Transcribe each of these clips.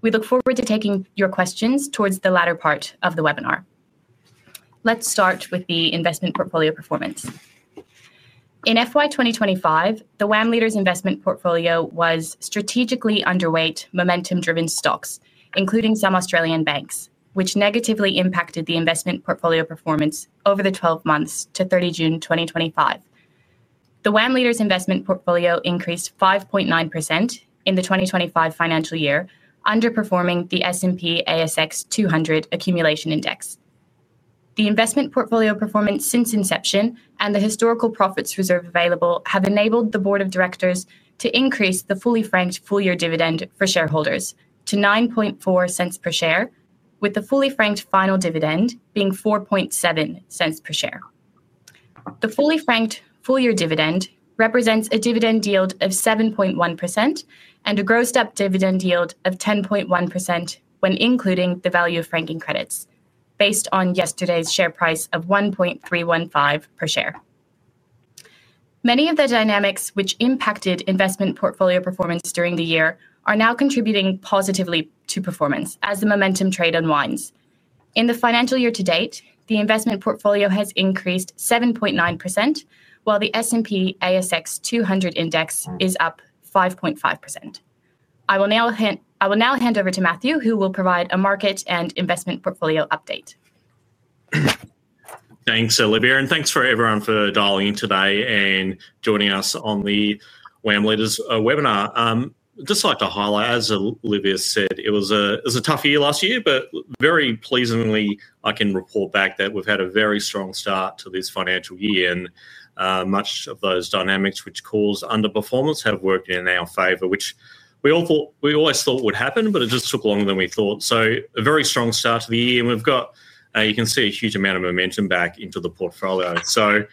We look forward to taking your questions towards the latter part of the webinar. Let's start with the investment portfolio performance. In FY 2025, the WAM Leader's investment portfolio was strategically underweight momentum driven stocks, including some Australian banks, which negatively impacted the investment portfolio performance over the twelve months to thirty June twenty twenty five. The WAM leader's investment portfolio increased 5.9% in the 2025 financial year, underperforming the S and PASX 200 accumulation index. The investment portfolio performance since inception and the historical profits reserve available have enabled the Board of Directors to increase the fully franked full year dividend for shareholders to $0.94 per share with the fully franked final dividend being $0.47 per share. The fully franked full year dividend represents a dividend yield of 7.1% and a grossed up dividend yield of 10.1% when including the value of franking credits based on yesterday's share price of 1.315 per share. Many of the dynamics which impacted investment portfolio performance during the year are now contributing positively to performance as the momentum trade unwinds. In the financial year to date, the investment portfolio has increased 7.9%, while the S and PASX two hundred Index is up 5.5%. I will now hand over to Matthew, who will provide a market and investment portfolio update. Thanks, Olivia, and thanks for everyone for dialing in today and joining us on the WAM Leaders webinar. I'd just like to highlight, as Olivia said, it was a tough year last year, but very pleasingly, I can report back that we've had a very strong start to this financial year and much of those dynamics which caused underperformance have worked in our favor, which we all thought we always thought would happen, but it just took longer than we thought. So a very strong start to the year. And we've got you can see a huge amount of momentum back into the portfolio. So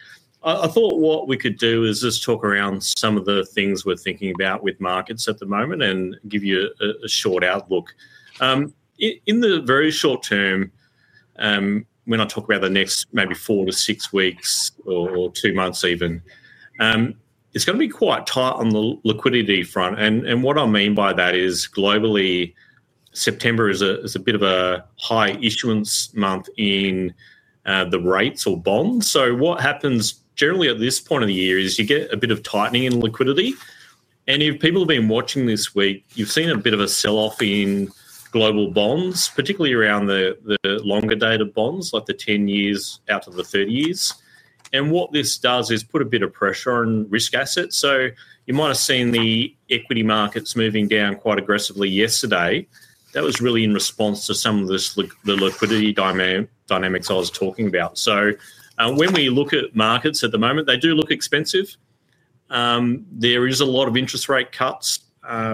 I thought what we could do is just talk around some of the things we're thinking about with markets at the moment and give you a short outlook. In the very short term, when I talk about the next maybe four to six weeks or two months even, it's going to be quite tight on the liquidity front. And what I mean by that is, globally, September is a bit of a high issuance month in the rates or bonds. So what happens generally at this point of the year is you get a bit of tightening in liquidity. And if people have been watching this week, you've seen a bit of a sell off in global bonds, particularly around the longer dated bonds, like the ten years out of the thirty years. And what this does is put a bit of pressure on risk assets. So you might have seen the equity markets moving down quite aggressively yesterday. That was really in response to some of the liquidity dynamics I was talking about. So when we look at markets at the moment, they do look expensive. There is a lot of interest rate cuts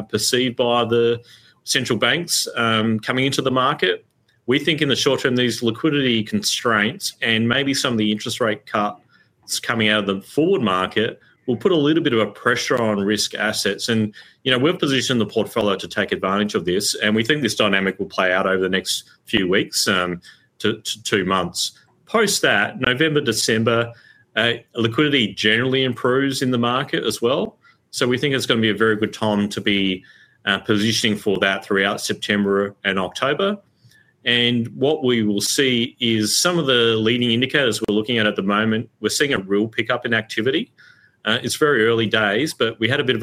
perceived by the central banks coming into the market. We think in the short term, these liquidity constraints and maybe some of the interest rate cuts coming out of the forward market will put a little bit of a pressure on risk assets. And we've positioned the portfolio to take advantage of this, and we think this dynamic will play out over the next few weeks to two months. Post that, November, December, liquidity generally improves in the market as well. So we think it's going be a very good time to be positioning for that throughout September and October. And what we will see is some of the leading indicators we're looking at, at the moment, we're seeing a real pickup in activity. It's very early days, but we had a bit of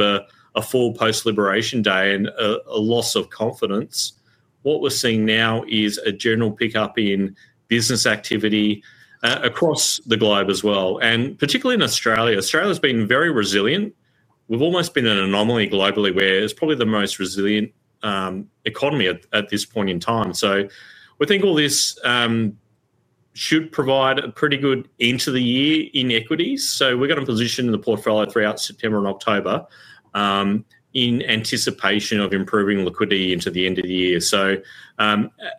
a fall post Liberation Day and a loss of confidence. What we're seeing now is a general pickup in business activity across the globe as well. And particularly in Australia, Australia has been very resilient. We've almost been an anomaly globally where it's probably the most resilient economy at this point in time. So we think all this should provide a pretty good end to the year in equities. So we're going to position the portfolio throughout September and October in anticipation of improving liquidity into the end of the year. So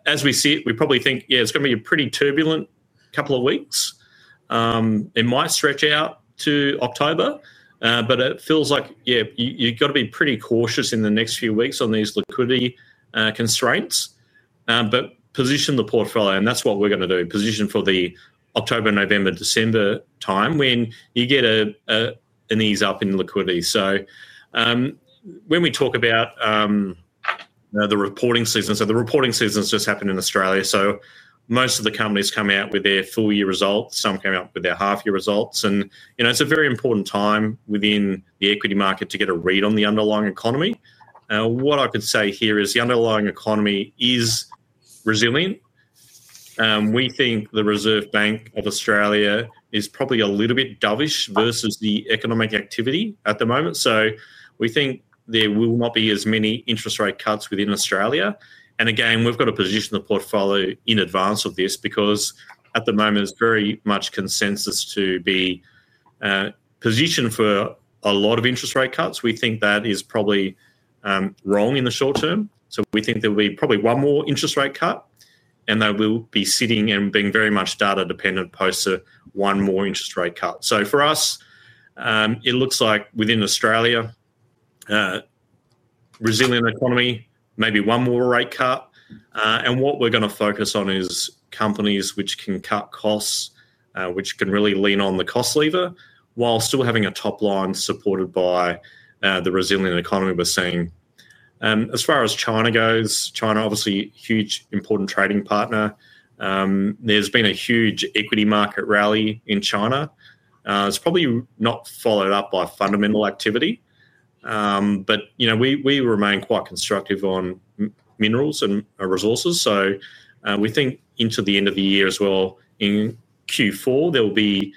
as we see it, we probably think, yes, it's going be a pretty turbulent couple of weeks. It might stretch out to October. But it feels like, yeah, you've got to be pretty cautious in the next few weeks on these liquidity constraints. But position the portfolio, and that's what we're going to do, position for the October, November, December time when you get an ease up in liquidity. So when we talk about the reporting season so the reporting season has just happened in Australia. So most of the companies come out with their full year results. Some come out with their half year results. And it's a very important time within the equity market to get a read on the underlying economy. What I could say here is the underlying economy is resilient. We think the Reserve Bank of Australia is probably a little bit dovish versus the economic activity at the moment. So we think there will not be as many interest rate cuts within Australia. And again, we've got to position the portfolio in advance of this because at the moment, there's very much consensus to be positioned for a lot of interest rate cuts. We think that is probably wrong in the short term. So we think there will be probably one more interest rate cut and that we'll be sitting and being very much data dependent post one more interest rate cut. So for us, it looks like within Australia, resilient economy, maybe one more rate cut. And what we're going to focus on is companies which can cut costs, which can really lean on the cost lever while still having a top line supported by the resilient economy we're seeing. And as far as China goes, China, obviously, huge important trading partner. There's been a huge equity market rally in China. It's probably not followed up by fundamental activity. But we remain quite constructive on minerals and resources. So we think into the end of the year as well. In Q4, there will be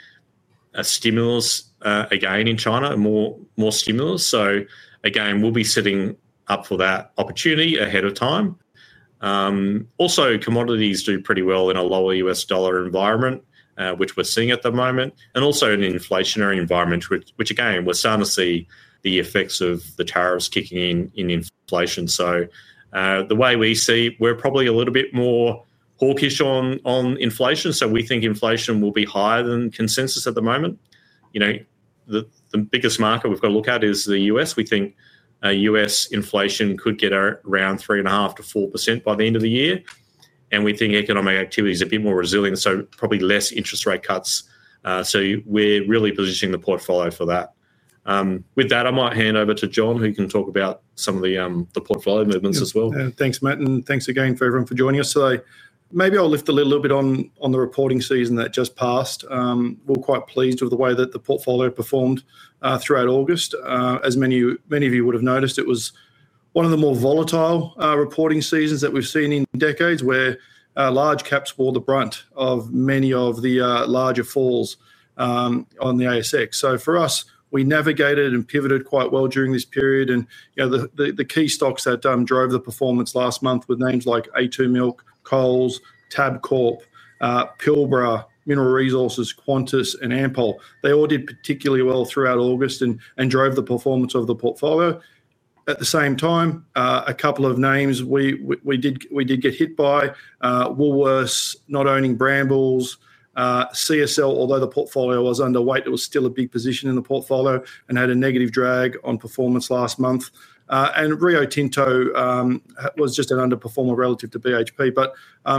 a stimulus again in China, more stimulus. So again, we'll be setting up for that opportunity ahead of time. Also, commodities do pretty well in a lower U. S. Dollar environment, which we're seeing at the moment, and also in an inflationary environment, which, again, we're starting to see the effects of the tariffs kicking in inflation. So the way we see, we're probably a little bit more hawkish on inflation. So we think inflation will be higher than consensus at the moment. The biggest market we've got look at is The US. We think U. S. Inflation could get around 3.5% to 4% by the end of the year. And we think economic activity is a bit more resilient, so probably less interest rate cuts. So we're really positioning the portfolio for that. With that, I might hand over to John who can talk about some of the the portfolio movements as well. Thanks, Matt, and thanks again for everyone for joining us. So maybe I'll lift a little bit on on the reporting season that just passed. We're quite pleased with the way that the portfolio performed throughout August. As many many of you would have noticed, it was one of the more volatile reporting seasons that we've seen in decades where large caps bore the brunt of many of the larger falls on the ASX. So for us, we navigated and pivoted quite well during this period. And, you know, the the the key stocks that drove the performance last month with names like a two Milk, Coles, Tabcorp, Pilbara, Mineral Resources, Qantas, and Ampol. They all did particularly well throughout August and and drove the performance of the portfolio. At the same time, a couple of names we we we did we did get hit by, Woolworths, not owning Brambles, CSL, although the portfolio was underweight, it was still a big position in the portfolio and had a negative drag on performance last month. And Rio Tinto was just an underperformer relative to BHP. But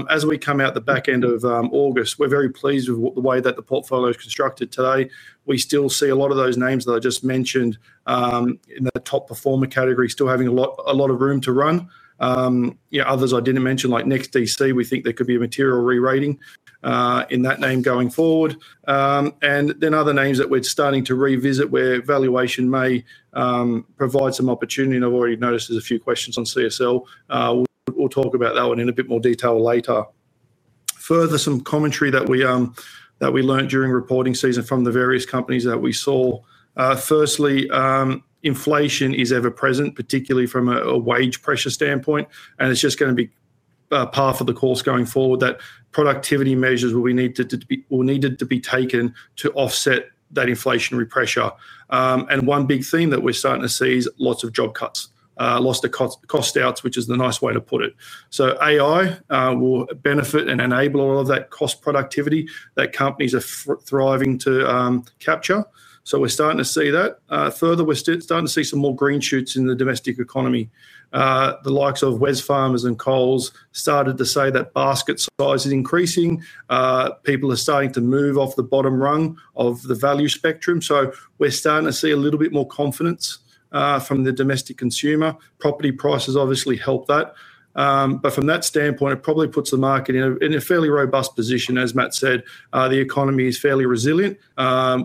as we come out the August, we're very pleased with the way that the portfolio is constructed today. We still see a lot of those names that I just mentioned in the top performer category still having a lot a lot of room to run. Yeah. Others I didn't mention, like NextDC, we think there could be a material rerating in that name going forward. And then other names that we're starting to revisit where valuation may provide some opportunity, and I've already noticed there's a few questions on CSL. We'll talk about that one in a bit more detail later. Further, commentary that we that we learned during reporting season from the various companies that we saw. Firstly, inflation is ever present, particularly from a a wage pressure standpoint, And it's just gonna be a path of the course going forward that productivity measures will be needed to be will needed to be taken to offset that inflationary pressure. And one big thing that we're starting to see is lots of job cuts, lost the cost cost outs, which is the nice way to put it. So AI will benefit and enable all of that cost productivity that companies are thriving to capture. So we're starting to see that. Further, we're still starting to see some more green shoots in the domestic economy. The likes of Wesfarmers and Coles started to say that basket size is increasing. People are starting to move off the bottom rung of the value spectrum. So we're starting to see a little bit more confidence from the domestic consumer. Property prices obviously help that. But from that standpoint, it probably puts the market in a in a fairly robust position. As Matt said, the economy is fairly resilient,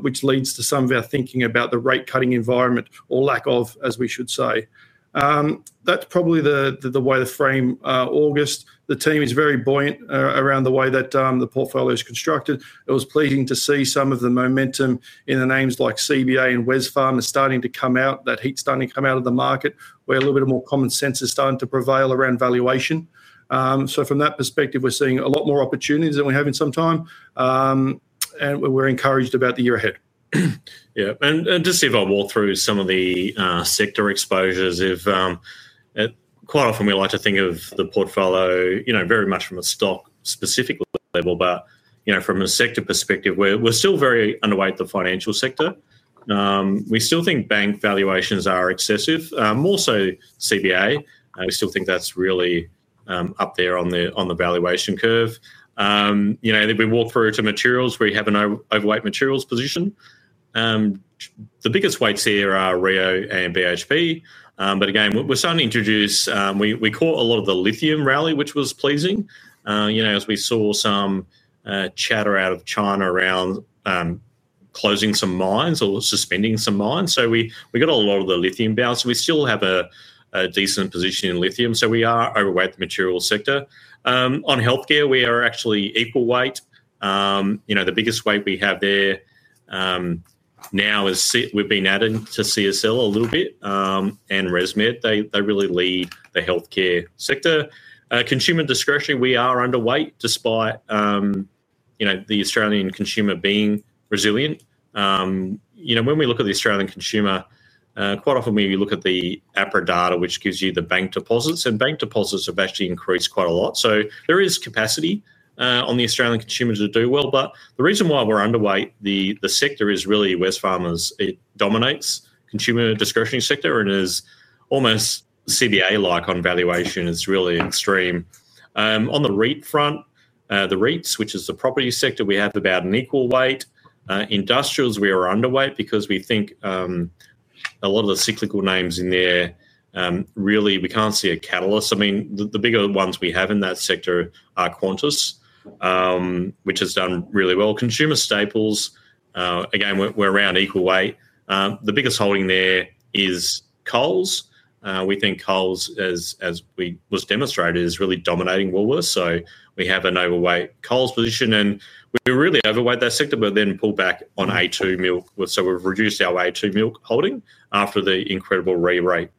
which leads to some of our thinking about the rate cutting environment or lack of, as we should say. That's probably the the the way to frame, August. The team is very buoyant around the way that, the portfolio is constructed. It was pleasing to see some of the momentum in the names like CBA and Wesfarm is starting to come out, that heat starting to come out of the market where a little bit of more common sense is starting to prevail around valuation. So from that perspective, we're seeing a lot more opportunities than we have in some time, and we're encouraged about the year ahead. Yeah. And just to if I walk through some of the sector exposures. Quite often, we like to think of the portfolio very much from a stock specific level. But from a sector perspective, we're still very underweight in the financial sector. We still think bank valuations are excessive, more so CBA. We still think that's really up there on the valuation curve. And then we walk through to materials where you have an overweight materials position. The biggest weights here are Rio and BHP. But again, we're starting to introduce we caught a lot of the lithium rally, which was pleasing you know, as we saw some chatter out of China around closing some mines or suspending some mines. So we got a lot of the lithium balance. We still have a decent position in lithium, so we are overweight material sector. On health care, we are actually equal weight. The biggest weight we have there now is we've been adding to CSL a little bit and ResMed. They really lead the health care sector. Consumer discretionary, we are underweight despite the Australian consumer being resilient. When we look at the Australian consumer, quite often, we look at the APRA data, which gives you the bank deposits. And bank deposits have actually increased quite a lot. So there is capacity on the Australian consumers to do well. But the reason why we're underweight, the sector is really Wesfarmers. It dominates consumer discretionary sector and is almost CBA like on valuation. It's really extreme. On the REIT front, the REITs, which is the property sector, we have about an equal weight. Industrials, we are underweight because we think a lot of the cyclical names in there, really, we can't see a catalyst. I mean, the bigger ones we have in that sector are Qantas, which has done really well. Consumer staples, again, we're around equal weight. The biggest holding there is Kohl's. We think Kohl's, as we was demonstrated, is really dominating Woolworths. So we have an overweight Coles position. And we really overweight that sector but then pulled back on A2 So we've reduced our A2 milk holding after the incredible re rate.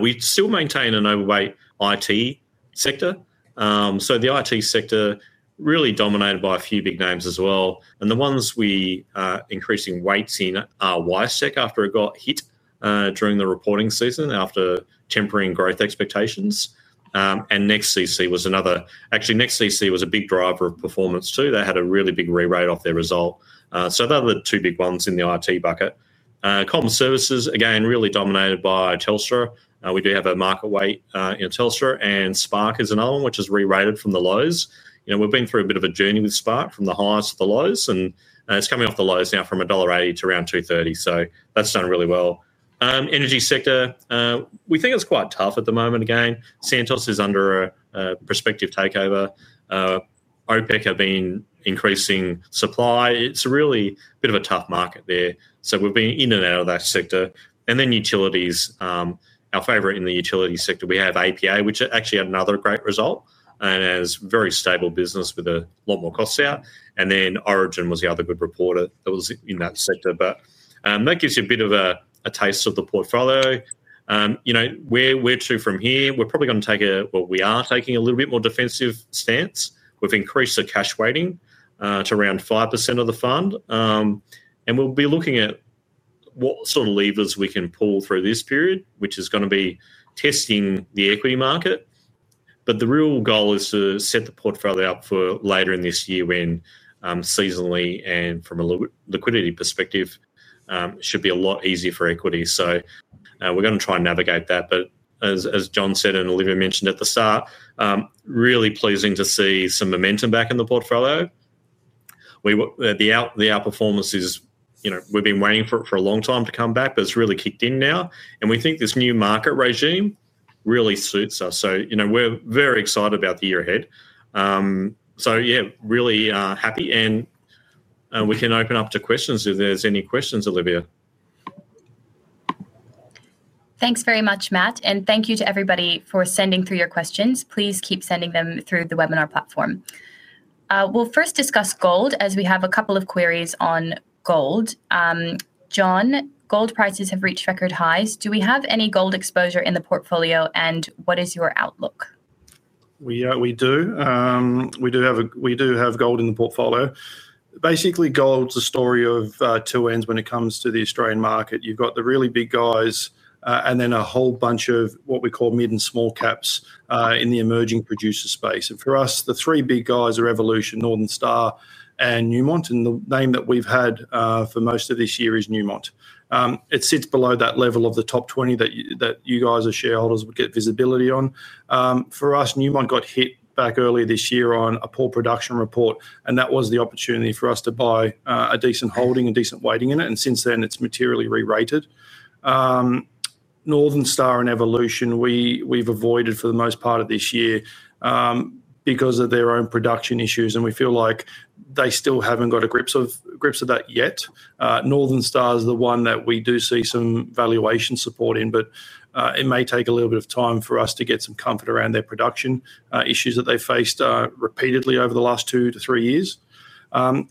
We still maintain an overweight IT sector. So the IT sector really dominated by a few big names as well. And the ones we are increasing weights in are Wisec after it got hit during the reporting season after tempering growth expectations. And NextCC was another actually, NextCC was a big driver of performance too. They had a really big rewrite off their result. So those are the two big ones in the IT bucket. Common services, again, really dominated by Telstra. We do have a market weight in Telstra, and Spark is another one, which is rerated from the lows. We've been through a bit of a journey with Spark from the highs to the lows, and it's coming off the lows now from $1.0.8 to around 2.3 So that's done really well. Energy sector, we think it's quite tough at the moment again. Santos is under a prospective takeover. OPEC have been increasing supply. It's really a bit of a tough market there. So we've been in and out of that sector. And then utilities, our favorite in the utility sector, have APA, which actually had another great result and has very stable business with a lot more costs out. And then Origin was the other good reporter that was in that sector. But that gives you a bit of a a taste of the portfolio. You know, where we're to from here, we're probably gonna take a what we are taking a little bit more defensive stance. We've increased the cash weighting to around 5% of the fund. And we'll be looking at what sort of levers we can pull for this period, which is gonna be testing the equity market. But the real goal is to set the portfolio up for later in this year when seasonally and from a liquidity perspective, should be a lot easier for equity. So we're going to try and navigate that. But as John said and Olivia mentioned at the start, really pleasing to see some momentum back in the portfolio. We were the outperformance is, we've been waiting for it for a long time to come back, but it's really kicked in now. And we think this new market regime really suits us. So we're very excited about the year ahead. So yes, really happy, and we can open up to questions if there's any questions, Olivia. Thanks very much, Matt, and thank you to everybody for sending through your questions. Please keep sending them through the webinar platform. We'll first discuss gold as we have a couple of queries on gold. John, gold prices have reached record highs. Do we have any gold exposure in the portfolio? And what is your outlook? We we do. We do have a we do have gold in the portfolio. Basically, gold's a story of two ends when it comes to the Australian market. You've got the really big guys and then a whole bunch of what we call mid and small caps in the emerging producer space. And for us, the three big guys are Evolution, Northern Star and Newmont, and the name that we've had for most of this year is Newmont. It sits below that level of the top 20 that you you guys as shareholders would get visibility on. For us, Newmont got hit back early this year on a poor production report, and that was the opportunity for us to buy a decent holding and decent waiting in it. And since then, it's materially rerated. Northern Star and Evolution, we we've avoided for the most part of this year because of their own production issues, and we feel like they still haven't got a grips of grips of that yet. Northern Star is the one that we do see some valuation support in, but it may take a little bit of time for us to get some comfort around their production issues that they faced repeatedly over the last two to three years.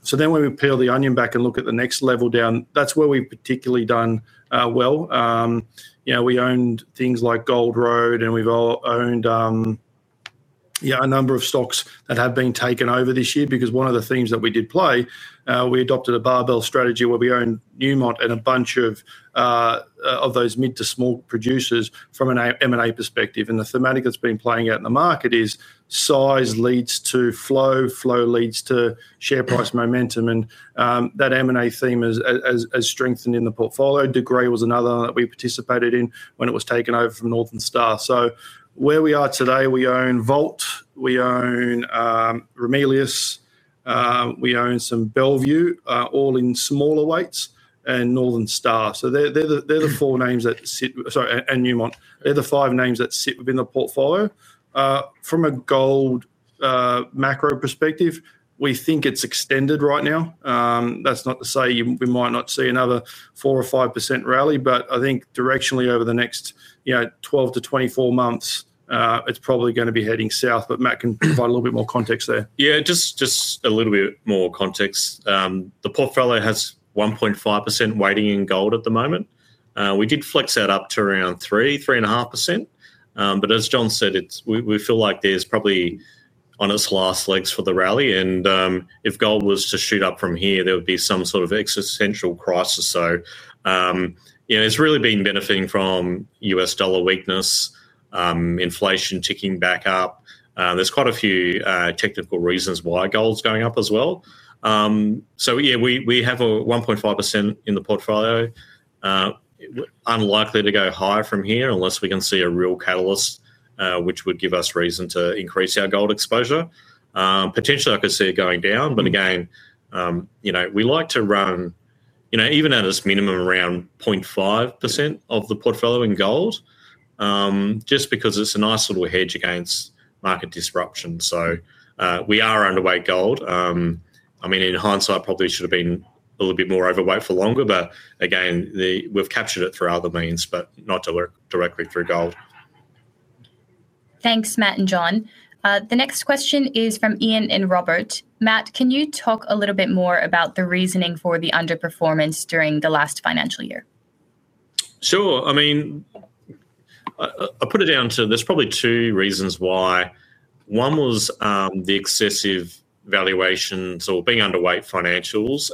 So then when we peel the onion back and look at the next level down, that's where we've particularly done well. You know, we owned things like Gold Road, and we've all owned, yeah, a number of stocks that have been taken over this year because one of the things that we did play, we adopted a barbell strategy where we own Newmont and a bunch of of those mid to small producers from an m and a perspective. And the thematic that's been playing out in the market is size leads to flow, flow leads to share price momentum, and that m and a theme has has strengthening the portfolio. Degree was another that we participated in when it was taken over from Northern Star. So where we are today, we own Vault. We own, Ramelius. We own some Bellevue, all in smaller weights and Northern Star. So they're they're the they're the four names that sit sorry. And Newmont. They're the five names that sit within the portfolio. From a gold, macro perspective, we think it's extended right now. That's not to say you we might not see another four or 5% rally, but I think directionally over the next, you know, twelve to twenty four months, it's probably gonna be heading south. But Matt can provide a little bit more context there. Yeah. Just just a little bit more context. The portfolio has 1.5% weighting in gold at the moment. We did flex that up to around three, three and a half percent. But as John said, it's we we feel like there's probably on its last legs for the rally. And if gold was to shoot up from here, there would be some sort of existential crisis. You know, it's really been benefiting from US dollar weakness, inflation ticking back up. There's quite a few technical reasons why gold's going up as well. So, yeah, we have a 1.5% in the portfolio. Unlikely to go higher from here unless we can see a real catalyst, which would give us reason to increase our gold exposure. Potentially, I could see it going down. But again, we like to run, even at this minimum, around 0.5 of the portfolio in gold just because it's a nice little hedge against market disruption. So we are underweight gold. I mean, in hindsight, probably should have been a little bit more overweight for longer. But, again, the we've captured it through other means, but not directly through gold. Thanks, Matt and John. The next question is from Ian and Robert. Matt, can you talk a little bit more about the reasoning for the underperformance during the last financial year? Sure. I mean I'll put it down to there's probably two reasons why. One was the excessive valuation, so being underweight financials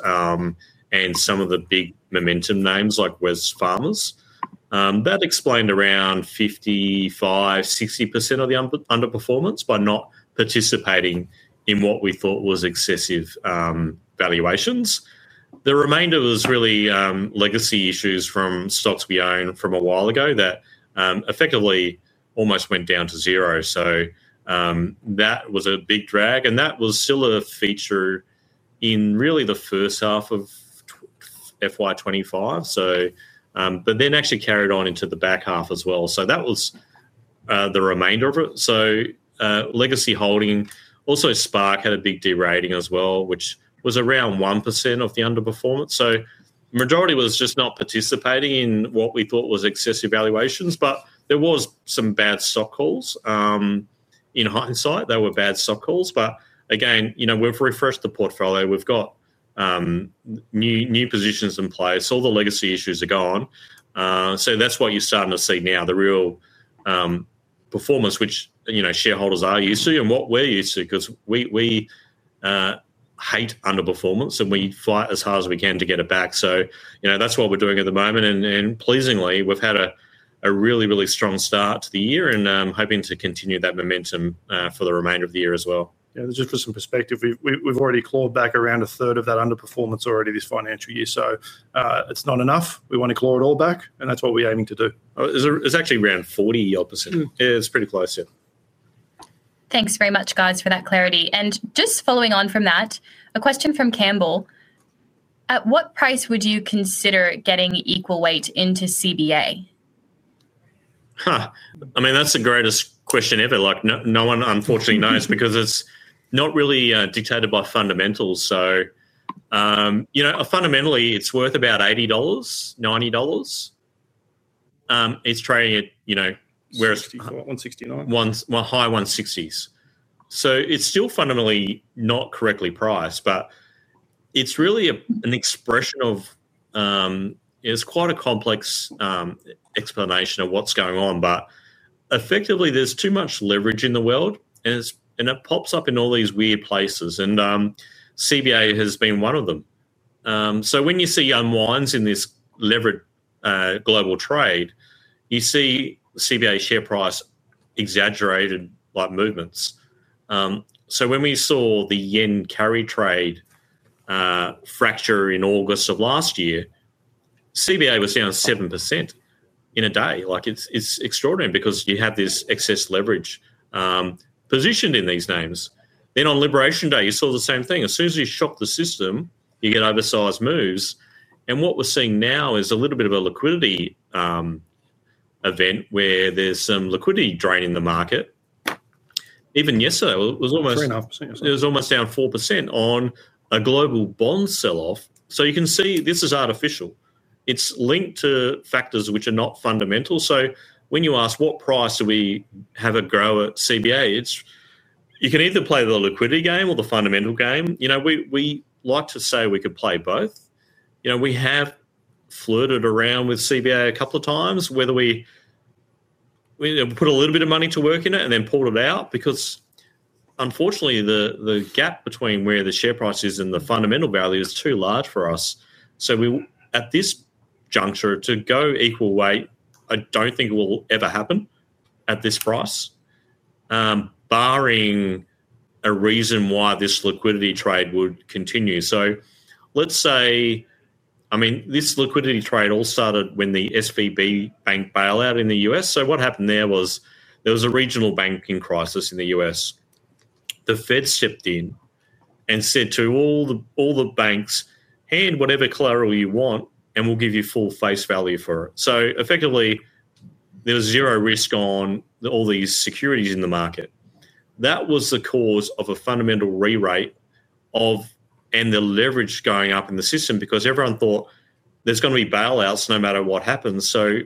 and some of the big momentum names like Wesfarmers. That explained around 5560% of the underperformance by not participating in what we thought was excessive valuations. The remainder was really legacy issues from stocks we own from a while ago that effectively almost went down to zero. So that was a big drag. And that was still a feature in really the first half of FY 'twenty five. So but then actually carried on into the back half as well. So that was the remainder of it. So Legacy Holding, also Spark had a big derating as well, which was around 1% of the underperformance. So majority was just not participating in what we thought was excessive valuations, but there was some bad stock calls. In hindsight, there were bad stock calls. But again, we've refreshed the portfolio. We've got new positions in place. All the legacy issues are gone. So that's what you're starting to see now, the real performance, which shareholders are used to and what we're used to because we hate underperformance, and we fight as hard as we can to get it back. So that's what we're doing at the moment. And pleasingly, we've had a really, really strong start to the year and hoping to continue that momentum for the remainder of the year as well. Yeah. Just for some perspective, we've we've we've already clawed back around a third of that underperformance already this financial year. So it's not enough. We wanna claw it all back, and that's what we're aiming to do. Oh, is there it's actually around 40 yield percent. It's pretty close. Yeah. Thanks very much, guys, for that clarity. And just following on from that, a question from Campbell. At what price would you consider getting equal weight into CBA? I mean, that's the greatest question ever. Like, no no one, unfortunately, knows because it's not really dictated by fundamentals. So, you know, fundamentally, it's worth about $80, $90. It's trading at, you know, whereas 60 what? $1.69? 1 well, high 1 sixties. So it's still fundamentally not correctly priced, but it's really an expression of it's quite a complex explanation of what's going on. But, effectively, there's too much leverage in the world, and it's and it pops up in all these weird places. And CBA has been one of them. So when you see young wines in this levered global trade, you see CBA share price exaggerated by movements. So when we saw the yen carry trade fracture in August, CBA was down 7% in a day. Like it's extraordinary because you have this excess leverage positioned in these names. Then on Liberation Day, you saw the same thing. As soon as you shock the system, you get undersized moves. And what we're seeing now is a little bit of a liquidity event where there's some liquidity drain in the market. Even yesterday, it was almost Three and a percent. Yes. It was almost down 4% on a global bond sell off. So you can see this is artificial. It's linked to factors which are not fundamental. So when you ask what price do we have it grow at CBA, it's you can either play the liquidity game or the fundamental game. You know, we we like to say we could play both. You know, we have flirted around with CBA a couple of times whether we we put a little bit of money to work in it and then pull it out because, unfortunately, the the gap between where the share price is and the fundamental value is too large for us. So we at this juncture, to go equal weight, I don't think it will ever happen at this price, barring a reason why this liquidity trade would continue. So let's say I mean, this liquidity trade all started when the SVP bank bailout in The US. So what happened there was there was a regional banking crisis in The US. The Fed stepped in and said to all the all the banks, hand whatever collateral you want, and we'll give you full face value for it. So effectively, there's zero risk on all these securities in the market. That was the cause of a fundamental rerate of and the leverage going up in the system because everyone thought there's gonna be bailouts no matter what happens. So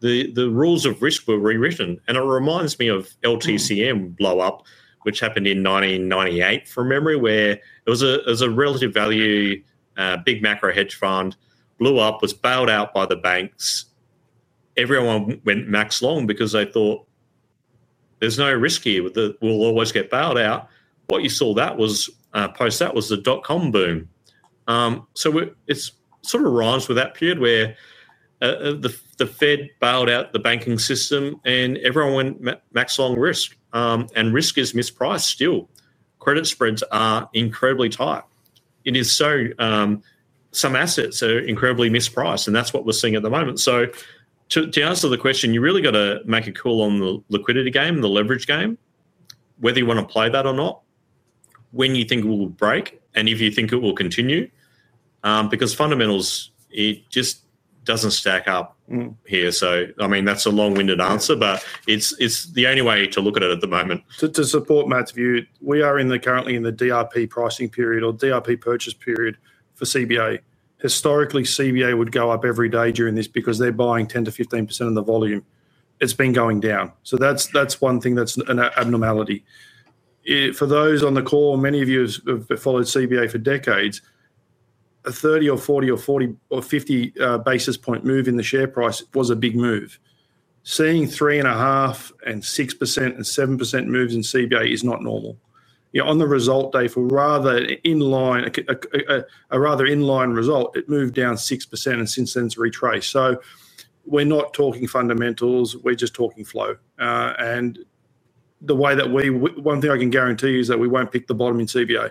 the the rules of risk were rewritten. And it reminds me of LTCM blowup, which happened in 1998 from memory, where it was a it was a relative value, big macro hedge fund, blew up, was bailed out by the banks. Everyone went max long because they thought there's no risk here with the we'll always get bailed out. What you saw that was post that was the .com boom. So it's sort of rise with that period where the the Fed bailed out the banking system, and everyone went max on risk. And risk is mispriced still. Credit spreads are incredibly tight. It is so, some assets are incredibly mispriced, and that's what we're seeing at the moment. So to to answer the question, you really gotta make it cool on the liquidity game, the leverage game, whether you wanna play that or not, when you think it will break, and if you think it will continue. Because fundamentals, it just doesn't stack up here. So, I mean, that's a long winded answer, but it's it's the only way to look at it at the moment. To to support Matt's view, we are in the currently in the DRP pricing period or DRP purchase period for CBA. Historically, CBA would go up every day during this because they're buying 10 to 15% of the volume. It's been going down. So that's that's one thing that's an abnormality. For those on the call, many of you who followed CBA for decades, a 30 or 40 or 40 or 50, basis point move in the share price was a big move. Seeing three and a half and 67% moves in CBA is not normal. Yeah. On the result day for rather in line a rather in line result, it moved down 6% and since then it's retraced. So we're not talking fundamentals. We're just talking flow. And the way that we one thing I can guarantee is that we won't pick the bottom in CBA.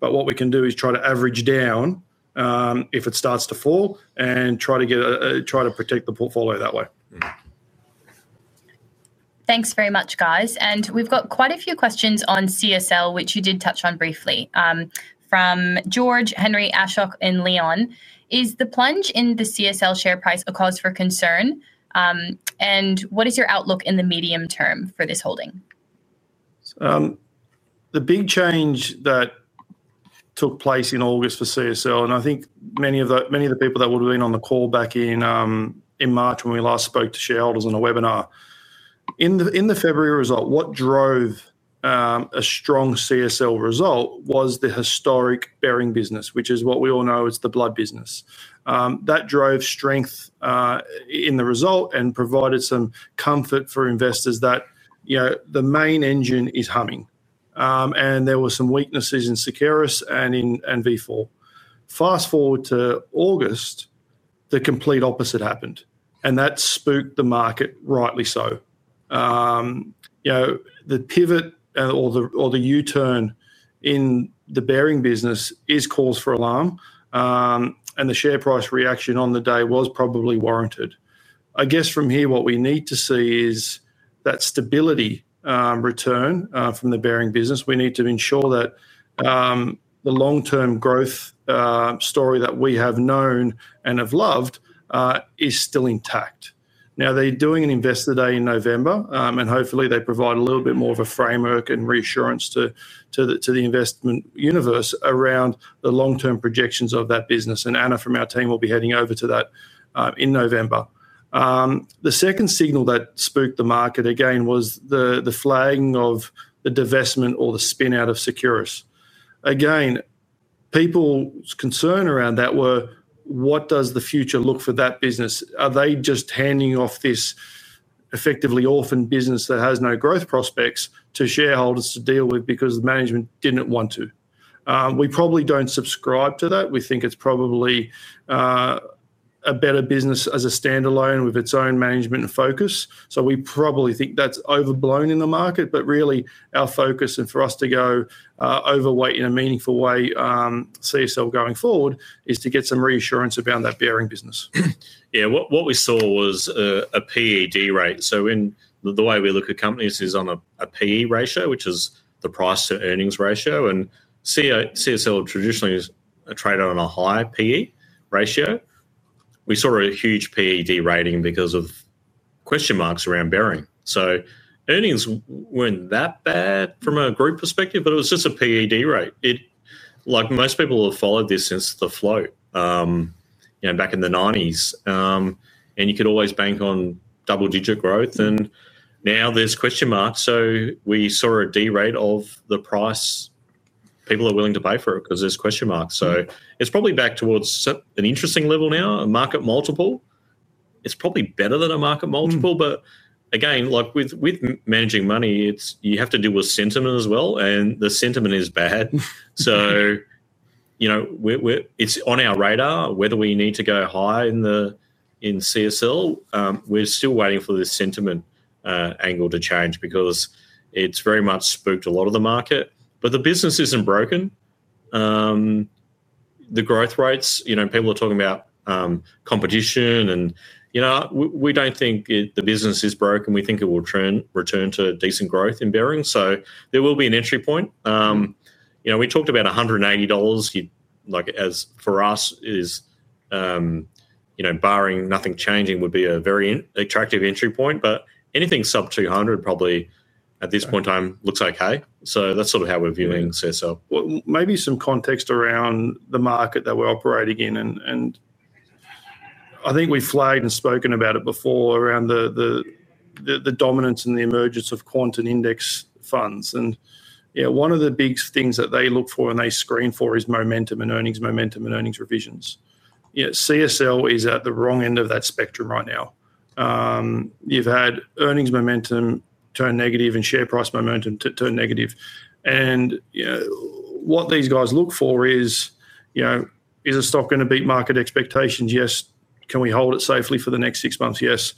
But what we can do is try to average down, if it starts to fall and try to get a try to protect the portfolio that way. Thanks very much, guys. And we've got quite a few questions on CSL, which you did touch on briefly. From George, Henry, Ashok, and Leon, is the plunge in the CSL share price a cause for concern? And what is your outlook in the medium term for this holding? The big change that took place in August for CSL, and I think many of the many of the people that would have been on the call back in in March when we last spoke to shareholders on a webinar. In the in the February result, what drove, a strong CSL result was the historic bearing business, which is what we all know as the blood business. That drove strength, in the result and provided some comfort for investors that, you know, the main engine is humming. And there were some weaknesses in Securus and in in v four. Fast forward to August, the complete opposite happened, and that spooked the market rightly so. You know, the pivot or the or the u-turn in the bearing business is cause for alarm, and the share price reaction on the day was probably warranted. I guess from here, what we need to see is that stability, return, from the bearing business. We need to ensure that the long term growth, story that we have known and have loved, is still intact. Now they're doing an Investor Day in November, and hopefully, they provide a little bit more of a framework and reassurance to to the to the investment universe around the long term projections of that business. And Anna from our team will be heading over to that, in November. The second signal that spooked the market again was the the flagging of the divestment or the spin out of Securus. Again, people's concern around that were, what does the future look for that business? Are they just handing off this effectively orphan business that has no growth prospects to shareholders to deal with because management didn't want to. We probably don't subscribe to that. We think it's probably, a better business as a standalone with its own management focus. So we probably think that's overblown in the market, but really our focus and for us to go overweight in a meaningful way, see yourself going forward, is to get some reassurance around that bearing business. Yeah. What what we saw was a PED rate. So in the way we look at companies is on a a PE ratio, which is the price to earnings ratio. And c o CSL traditionally is a trader on a high PE ratio. We saw a huge PED rating because of question marks around bearing. So earnings weren't that bad from a group perspective, but it was just a PED rate. It like, most people have followed this since the flow, you know, back in the nineties, And you could always bank on double digit growth, and now there's question mark. So we saw a derate of the price people are willing to pay for it because there's question mark. So it's probably back towards an interesting level now, a market multiple. It's probably better than a market multiple, but, again, like, with with managing money, it's you have to deal with sentiment as well, and the sentiment is bad. So, you know, we're we're it's on our radar whether we need to go high in the in CSL. We're still waiting for the sentiment angle to change because it's very much spooked a lot of the market. But the business isn't broken. The growth rates, you know, people are talking about competition and, you know, we we don't think the business is broken. We think it will trend return to decent growth in Bearings. So there will be an entry point. You know, we talked about $180. You'd like, as for us is, you know, barring nothing changing would be a very attractive entry point. But anything sub 200 probably, at this point in time, looks okay. So that's sort of how we're viewing CSO. Well, maybe some context around the market that we're operating in. And and I think we've flagged and spoken about it before around the the the the dominance and the emergence of quantum index funds. And, yeah, one of the big things that they look for and they screen for is momentum and earnings momentum and earnings revisions. Yeah. CSL is at the wrong end of that spectrum right now. You've had earnings momentum turn negative and share price momentum to turn negative. And, you know, what these guys look for is, you know, is the stock gonna beat market expectations? Yes. Can we hold it safely for the next six months? Yes.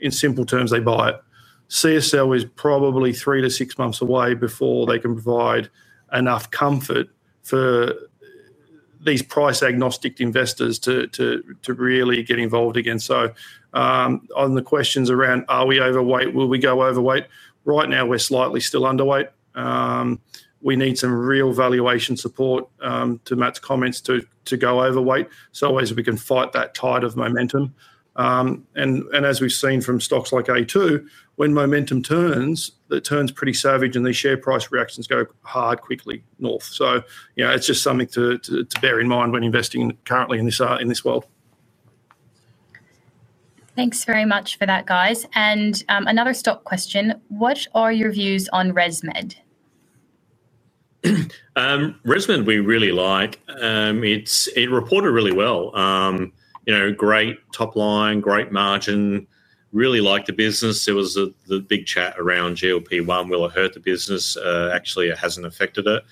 In simple terms, they buy it. CSL is probably three to six months away before they can provide enough comfort for these price agnostic investors to to to really get involved again. So on the questions around, are we overweight? Will we go overweight? Right now, we're slightly still underweight. We need some real valuation support, to Matt's comments to to go overweight so as we can fight that tide of momentum. And and as we've seen from stocks like a two, when momentum turns, it turns pretty savage and the share price reactions go hard quickly north. So, you know, it's just something to to to bear in mind when investing currently in this in this world. Thanks very much for that, guys. And another stock question. What are your views on ResMed? ResMed, we really like. It reported really well. Great top line, great margin, really liked the business. There was the big chat around GLP-one. Will it hurt the business? Actually, it hasn't affected it.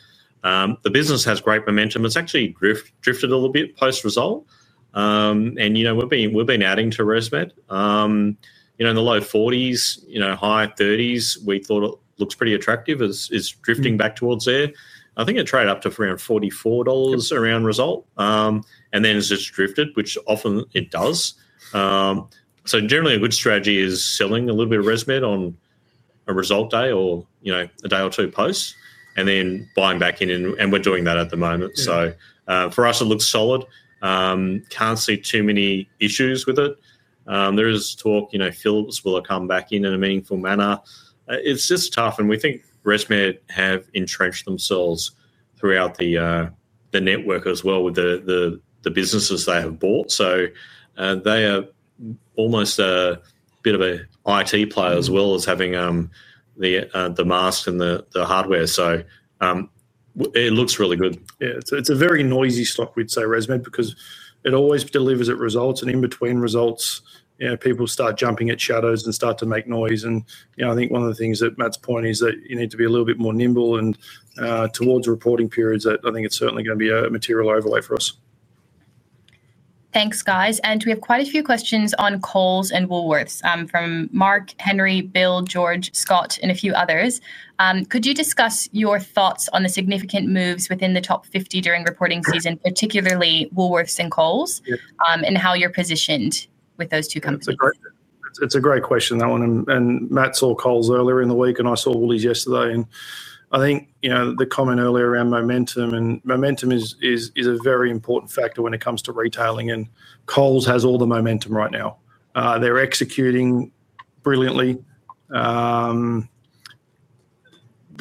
The business has great momentum. It's actually drifted a little bit post result. And we've been adding to ResMed. Know, in the low forties, you know, high thirties, we thought it looks pretty attractive as as drifting back towards there. I think it tried up to around $44 around result, and then it's just drifted, which often it does. So generally, a good strategy is selling a little bit of ResMed on a result day or, you know, a day or two post, and then buying back in, and and we're doing that at the moment. So for us, it looks solid. Can't see too many issues with it. There is talk, you know, Philips will have come back in in a meaningful manner. It's just tough, and we think ResMed have entrenched themselves throughout the the network as well with the the the businesses they have bought. So they are almost bit of a IT player as well as having the the mask and the the hardware. So it looks really good. Yeah. So it's a very noisy stock, we'd say, ResMed, because it always delivers at results. And in between results, you know, people start jumping at shadows and start to make noise. And, you know, I think one of the things that Matt's point is that you need to be a little bit more nimble and, towards reporting periods that I think it's certainly gonna be a material overlay for us. Thanks, guys. And we have quite a few questions on Coles and Woolworths from Mark, Henry, Bill, George, Scott, and a few others. Could you discuss your thoughts on the significant moves within the top 50 during reporting season, particularly Woolworths and Coles, and how you're positioned with those two companies? It's a great question, Alan. And and Matt saw Coles earlier in the week, and I saw all these yesterday. And I think, you know, the comment earlier around momentum, and momentum is is is a very important factor when it comes to retailing, and Kohl's has all the momentum right now. They're executing brilliantly. The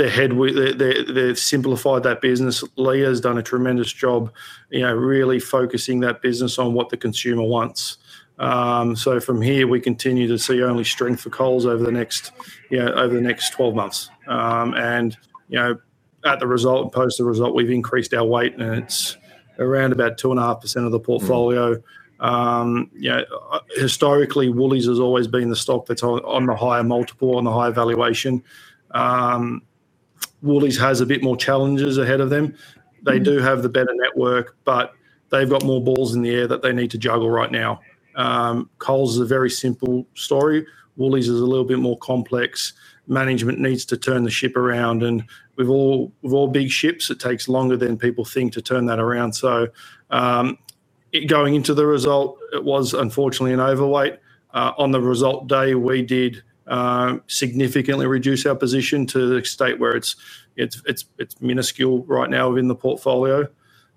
head they they they simplified that business. Lee has done a tremendous job, you know, really focusing that business on what the consumer wants. So from here, we continue to see only strength for Coles over the next, you know, over the next twelve months. And, you know, at the result post the result, we've increased our weight, and it's around about two and a half percent of the portfolio. Yeah. Historically, Woolies has always been the stock that's on on the higher multiple and the high valuation. Woolies has a bit more challenges ahead of them. They do have the better network, but they've got more balls in the air that they need to juggle right now. Cole's is a very simple story. Woolies is a little bit more complex. Management needs to turn the ship around. And with all with all big ships, it takes longer than people think to turn that around. So going into the result, it was unfortunately an overweight. On the result day, we did, significantly reduce our position to the state where it's it's it's it's minuscule right now within the portfolio.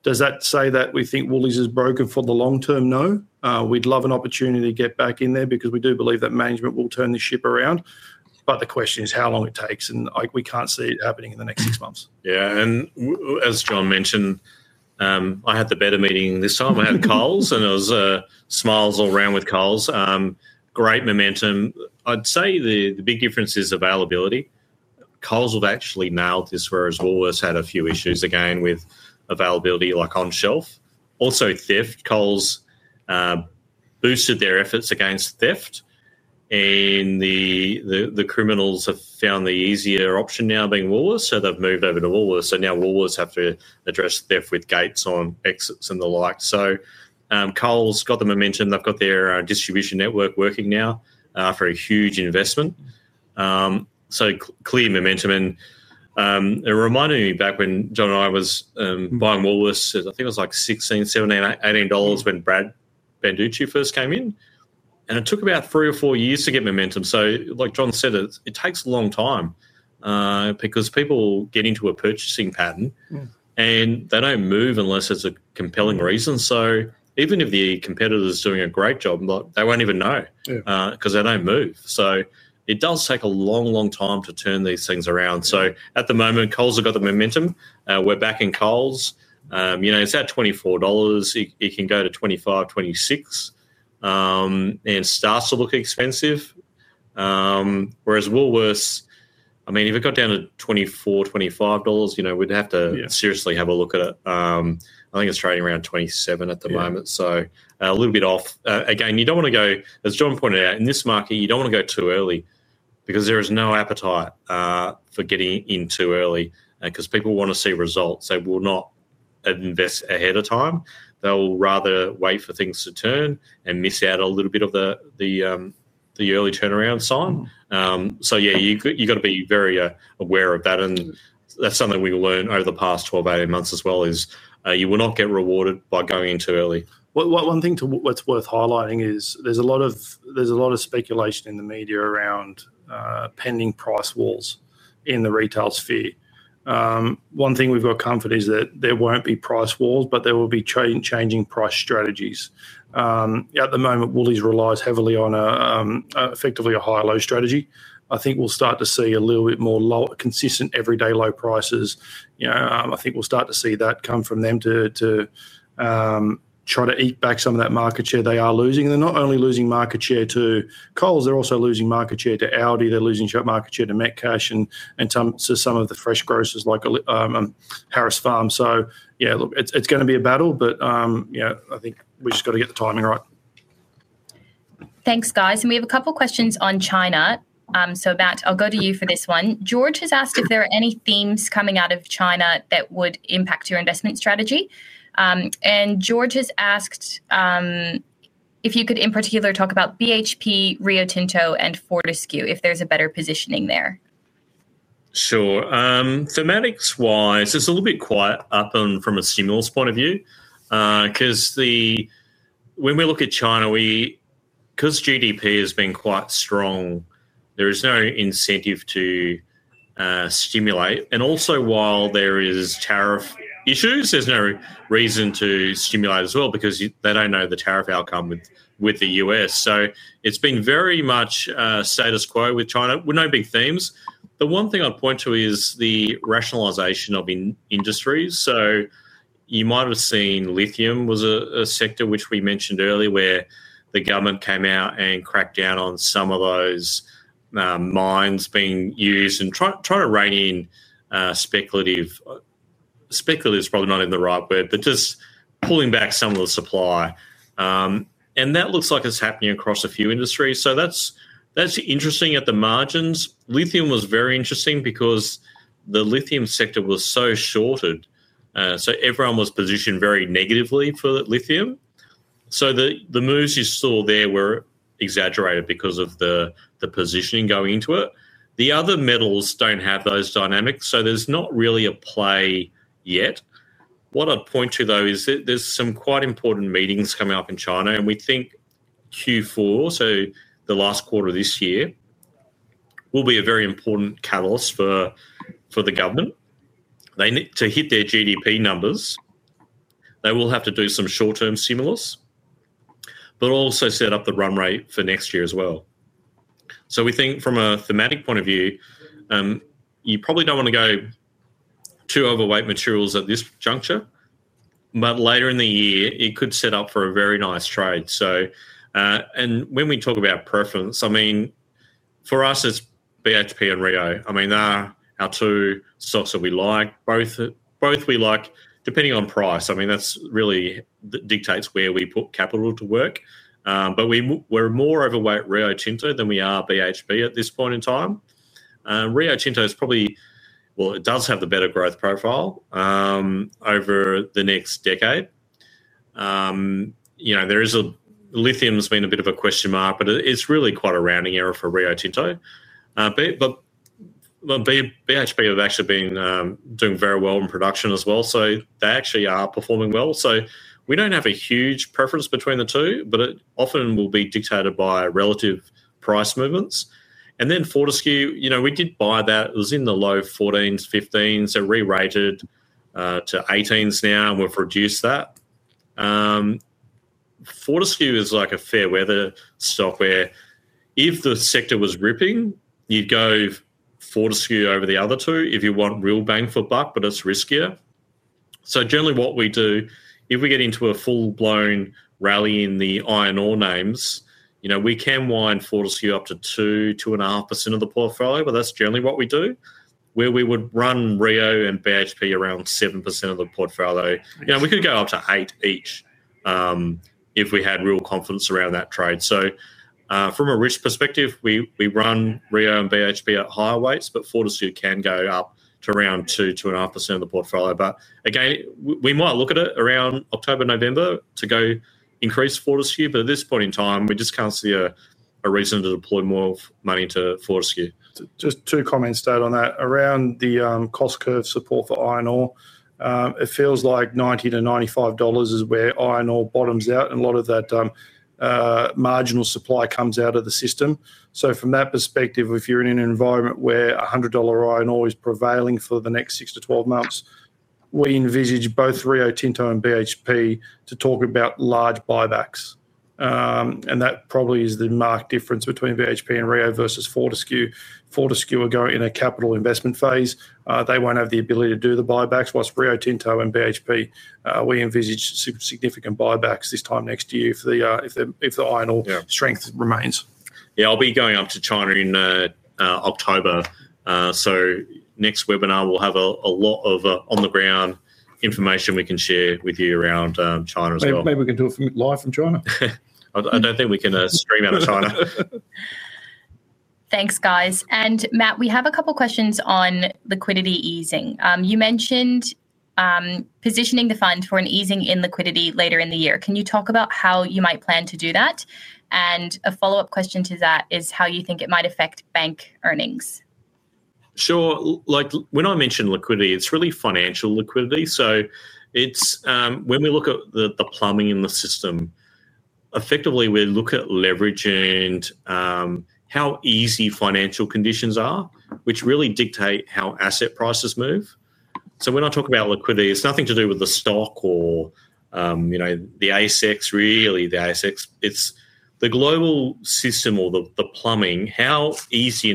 Does that say that we think Woolies is broken for the long term? No. We'd love an opportunity to get back in there because we do believe that management will turn the ship around. But the question is how long it takes, and I we can't see it happening in the next six months. Yeah. And as John mentioned, I had the better meeting this time. I had calls, and it was smiles all around with calls. Great momentum. I'd say the the big difference is availability. Calls have actually nailed this for us. Woolworths had a few issues again with availability, like on shelf. Also, theft, Coles boosted their efforts against theft. And the the criminals have found the easier option now being Woolworths, so they've moved over to Woolworths. So now Woolworths have to address theft with gates on exits and the like. So, Cole's got the momentum. They've got their distribution network working now, for a huge investment. So clear momentum. It reminded me back when John and I was buying Woolworths. I think it was, like, $16.17, $18 when Brad Banducci first came in. And it took about three or four years to get momentum. So like John said, it it takes a long time because people get into a purchasing pattern, and they don't move unless it's a compelling reason. So even if the competitor's doing a great job, they won't even know Yeah. Because they don't move. So it does take a long, long time to turn these things around. So at the moment, Coles have got the momentum. We're back in Coles. You know, it's at $24. It it can go to $25.26, and starts to look expensive. Whereas Woolworths, I mean, if it got down to $24.25 dollars, you know, we'd have to Yeah. Seriously have a look at it. I think it's trading around 27 at the moment, so a little bit off. Again, you don't wanna go as John pointed out, in this market, you don't wanna go too early because there is no appetite for getting in too early because people wanna see results. They will not invest ahead of time. They'll rather wait for things to turn and miss out a little bit of the the early the turnaround sign. So, yeah, you could you gotta be very aware of that, and that's something we learned over the past twelve, eighteen months as well is you will not get rewarded by going too early. One thing to what's worth highlighting is there's a lot of there's a lot of speculation in the media around pending price walls in the retail sphere. One thing we've got comfort is that there won't be price walls, but there will be chain changing price strategies. At the moment, Woolies relies heavily on effectively a high low strategy. I think we'll start to see a little bit more low consistent everyday low prices. You know, I think we'll start to see that come from them to to try to eat back some of that market share they are losing. They're not only losing market share to Coles, they're also losing market share to Audi. They're losing share market share to Metcash and and some so some of the fresh grocers like Harris Farm. So, look, it's it's gonna be a battle, but, yeah, I think we just gotta get the timing right. Thanks, guys. And we have a couple questions on China. So, Bat, I'll go to you for this one. George has asked if there are any themes coming out of China that would impact your investment strategy. And George has asked if you could, in particular, talk about BHP, Rio Tinto and Fortescue, if there's a better positioning there. Sure. Thematics wise, it's a little bit quiet up from a stimulus point of view because the when we look at China, we because GDP has been quite strong, there is no incentive to, stimulate. And also while there is tariff issues, there's no reason to stimulate as well because you they don't know the tariff outcome with with The US. So it's been very much a status quo with China with no big themes. The one thing I'd point to is the rationalization of industries. So you might have seen lithium was a sector which we mentioned earlier where the government came out and cracked down on some of those mines being used and trying to rein in speculative. Speculative is probably not even the right word, but just pulling back some of the supply. And that looks like it's happening across a few industries. So that's interesting at the margins. Lithium was very interesting because the lithium sector was so shorted. So everyone was positioned very negatively for lithium. So the the moves you saw there were exaggerated because of the the positioning going into it. The other metals don't have those dynamics, so there's not really a play yet. What I'd point to, though, is that there's some quite important meetings coming up in China. And we think Q4, so the last quarter this year, will be a very important catalyst for the government. They need to hit their GDP numbers. They will have to do some short term stimulus, but also set up the run rate for next year as well. So we think from a thematic point of view, you probably don't wanna go too overweight materials at this juncture. But later in the year, it could set up for a very nice trade. So and when we talk about preference, I mean, for us, it's BHP and Rio. I mean, they are our two stocks that we like. Both both we like depending on price. I mean, that really dictates where we put capital to work. But we're more overweight at Rio Tinto than we are BHP at this point in time. Rio Tinto is probably well, it does have the better growth profile, over the next decade. You know, there is a lithium has been a bit of a question mark, but it's really quite a rounding error for Rio Tinto. But BHP have actually been doing very well in production as well, so they actually are performing well. So we don't have a huge preference between the two, but it often will be dictated by relative price movements. And then Fortescue, you know, we did buy that. It was in the low fourteens, fifteens. They're rerated to eighteens now, we've reduced that. Fortescue is like a fair weather stock where If the sector was ripping, you'd go Fortescue over the other two if you want real bang for buck, but it's riskier. So generally, what we do, if we get into a full blown rally in the iron ore names, we can wind Fortescue up to two, two and a half percent of the portfolio, but that's generally what we do, where we would run Rio and BHP around 7% of the portfolio. We could go up to eight each if we had real confidence around that trade. So from a risk perspective, we we run, re owned BHP at higher weights, but Fortisu can go up to around two, two and a half percent of the portfolio. But, again, we we might look at it around October, November to go increase Fortescue. But at this point in time, we just can't see a a reason to deploy more money to Fortescue. Just two comments, Dave, on that. Around the, cost curve support for iron ore, it feels like 90 to $95 is where iron ore bottoms out, and a lot of that, marginal supply comes out of the system. So from that perspective, if you're in an environment where a 100 iron ore is prevailing for the next six to twelve months, we envisage both Rio Tinto and BHP to talk about large buybacks. And that probably is the marked difference between BHP and Rio versus Fortescue. Fortescue will go in a capital investment phase. They won't have the ability to do the buybacks, whilst Rio Tinto and BHP, we envisage significant buybacks this time next year for the if the if the idle Yep. Strength remains. Yeah. I'll be going up to China in October. So next webinar, we'll have a a lot of on the ground information we can share with you around, China as well. Maybe we can do a few live from China. I I don't think we can, stream out of China. Thanks, guys. And, Matt, we have a couple questions on liquidity easing. You mentioned positioning the fund for an easing in liquidity later in the year. Can you talk about how you might plan to do that? And a follow-up question to that is how you think it might affect bank earnings. Sure. Like, when I mentioned liquidity, it's really financial liquidity. So it's when we look at the the plumbing in the system, effectively, we look at leverage and how easy financial conditions are, which really dictate how asset prices move. So when I talk about liquidity, it's nothing to do with the stock or the ASICs, really the ASICs. It's the global system or the plumbing. How easy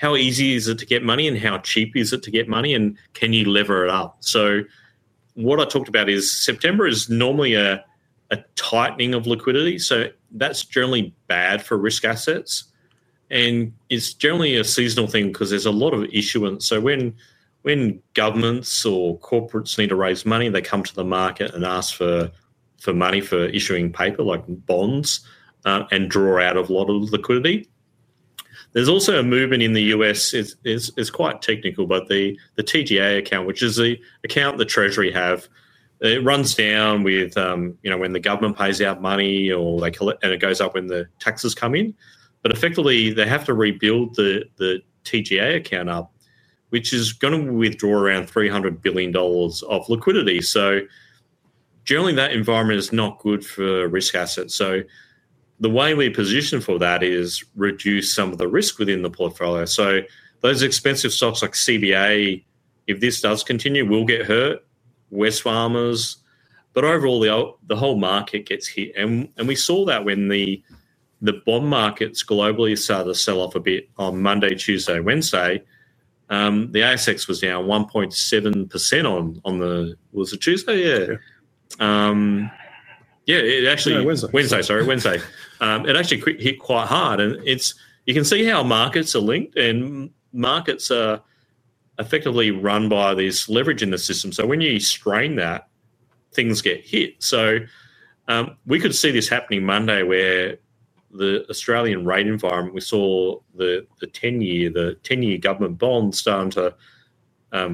how easy is it to get money and how cheap is it to get money and can you lever it up. So what I talked about is September is normally a a tightening of liquidity. So that's generally bad for risk assets. And it's generally a seasonal thing because there's a lot of issuance. So when governments or corporates need to raise money, they come to the market and ask for money for issuing paper like bonds and draw out a lot of liquidity. There's also a movement in The US. It's quite technical, but the TGA account, which is the account the treasury have, it runs down with when the government pays out money or they collect and it goes up when the taxes come in. But effectively, they have to rebuild the TGA account up, which is gonna withdraw around $300,000,000,000 of liquidity. So generally, environment is not good for risk assets. So the way we're positioned for that is reduce some of the risk within the portfolio. So those expensive stocks like CBA, if this does continue, will get hurt, Wesfarmers. But overall, the whole market gets hit. And we saw that when the bond markets globally started to sell off a bit on Monday, Tuesday, Wednesday. The ASX was down 1.7% on on the was it Tuesday? Yeah. Yeah. It actually Wednesday. Wednesday. Sorry. Wednesday. It actually hit quite hard. And it's you can see how markets are linked, and markets effectively run by this leverage in the system. So when you strain that, things get hit. So we could see this happening Monday where the Australian rate environment, we saw the the ten year the ten year government bond starting to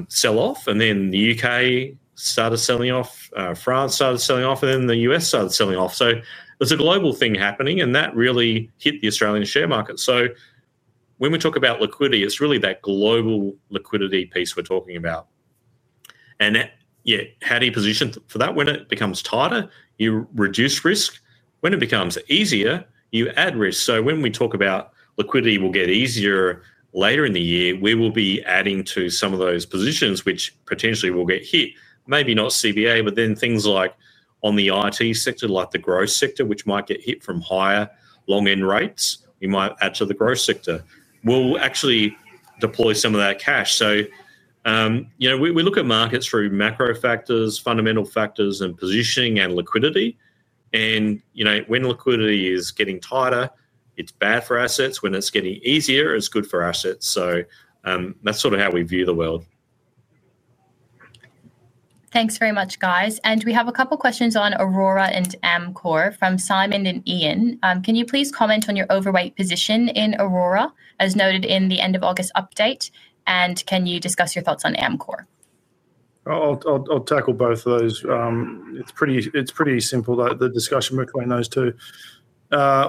sell off. And then The UK started selling off, France started selling off, and then The US started selling off. So it's a global thing happening, and that really hit the Australian share market. So when we talk about liquidity, it's really that global liquidity piece we're talking about. And that yeah. How do you position for that? When it becomes tighter, you reduce risk. When it becomes easier, you add risk. So when we talk about liquidity will get easier later in the year, we will be adding to some of those positions which potentially will get hit. Maybe not CBA, but then things like on the IT sector, like the growth sector, which might get hit from higher long end rates, we might add to the growth sector. We'll actually deploy some of that cash. We look at markets through macro factors, fundamental factors and positioning and liquidity. And when liquidity is getting tighter, it's bad for assets. When it's getting easier, it's good for assets. So that's sort of how we view the world. Thanks very much, guys. And we have a couple of questions on Aurora and Amcor from Simon and Ian. Can you please comment on your overweight position in Aurora as noted in the August update? And can you discuss your thoughts on Amcor? I'll I'll I'll tackle both of those. It's pretty it's pretty simple, though, the discussion between those two.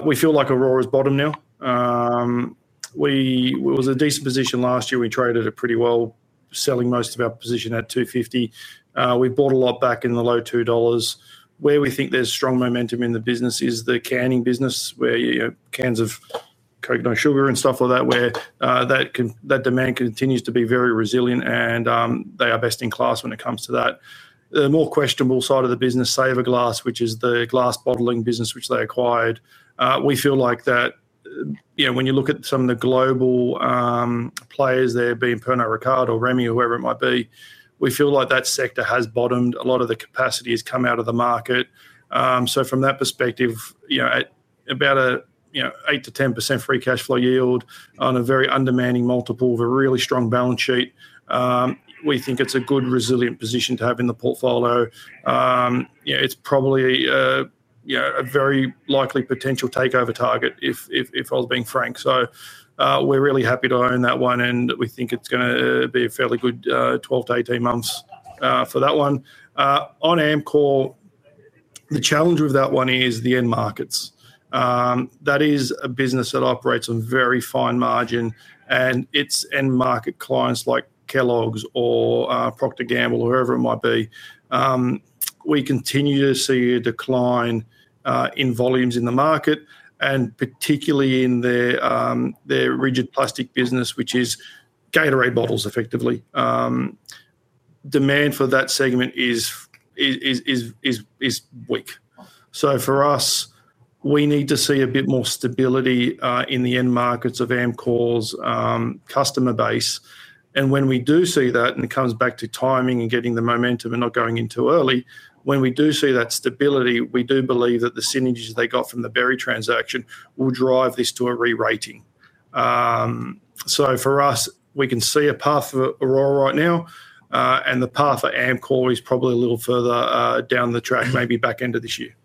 We feel like Aurora's bottom now. We it was a decent position last year. We traded it pretty well, selling most of our position at $2.50. We bought a lot back in the low $2. Where we think there's strong momentum in the business is the canning business where, you know, cans of coconut sugar and stuff like that where that can that demand continues to be very resilient, and they are best in class when it comes to that. The more questionable side of the business, Savor Glass, which is the glass bottling business which they acquired, we feel like that, you know, when you look at some of the global players there being Pernod Ricard or Remy or whoever it might be, we feel like that sector has bottomed. A lot of the capacity has come out of the market. So from that perspective, you know, at about a, you know, eight to 10% free cash flow yield on a very undermining multiple with a really strong balance sheet, we think it's a good resilient position to have in the portfolio. Yeah. It's probably, you know, a very likely potential takeover target if if if I was being frank. So we're really happy to own that one, and we think it's gonna be a fairly good twelve to eighteen months for that one. On Amcor, the challenge with that one is the end markets. That is a business that operates on very fine margin, and its end market clients like Kellogg's or, Procter Gamble or whoever it might be. We continue to see a decline, in volumes in the market and particularly in the, the rigid plastic business, which is Gatorade bottles effectively. Demand for that segment is is is is is weak. So for us, we need to see a bit more stability, in the end markets of Amcor's customer base. And when we do see that, and it comes back to timing and getting the momentum and not going in too early, when we do see that stability, we do believe that the synergies they got from the Berry transaction will drive this to a rerating. So for us, we can see a path for Aurora right now, and the path for Amcor is probably a little further, down the track, maybe back end of this year.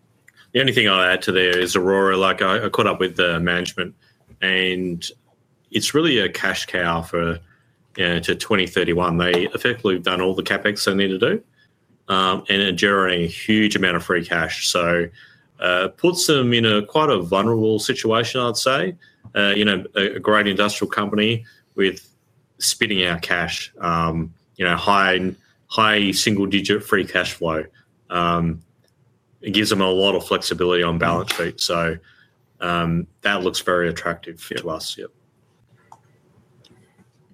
The only thing I'll add to there is Aurora, like, I caught up with the management, and it's really a cash cow for yeah, to 2031. They effectively have done all the CapEx they need to do, and are generating a huge amount of free cash. So, puts them in a quite a vulnerable situation, I would say, you know, a a great industrial company with spitting out cash, you know, high high single digit free cash flow. It gives them a lot of flexibility on balance sheet. So that looks very attractive to us. Yep.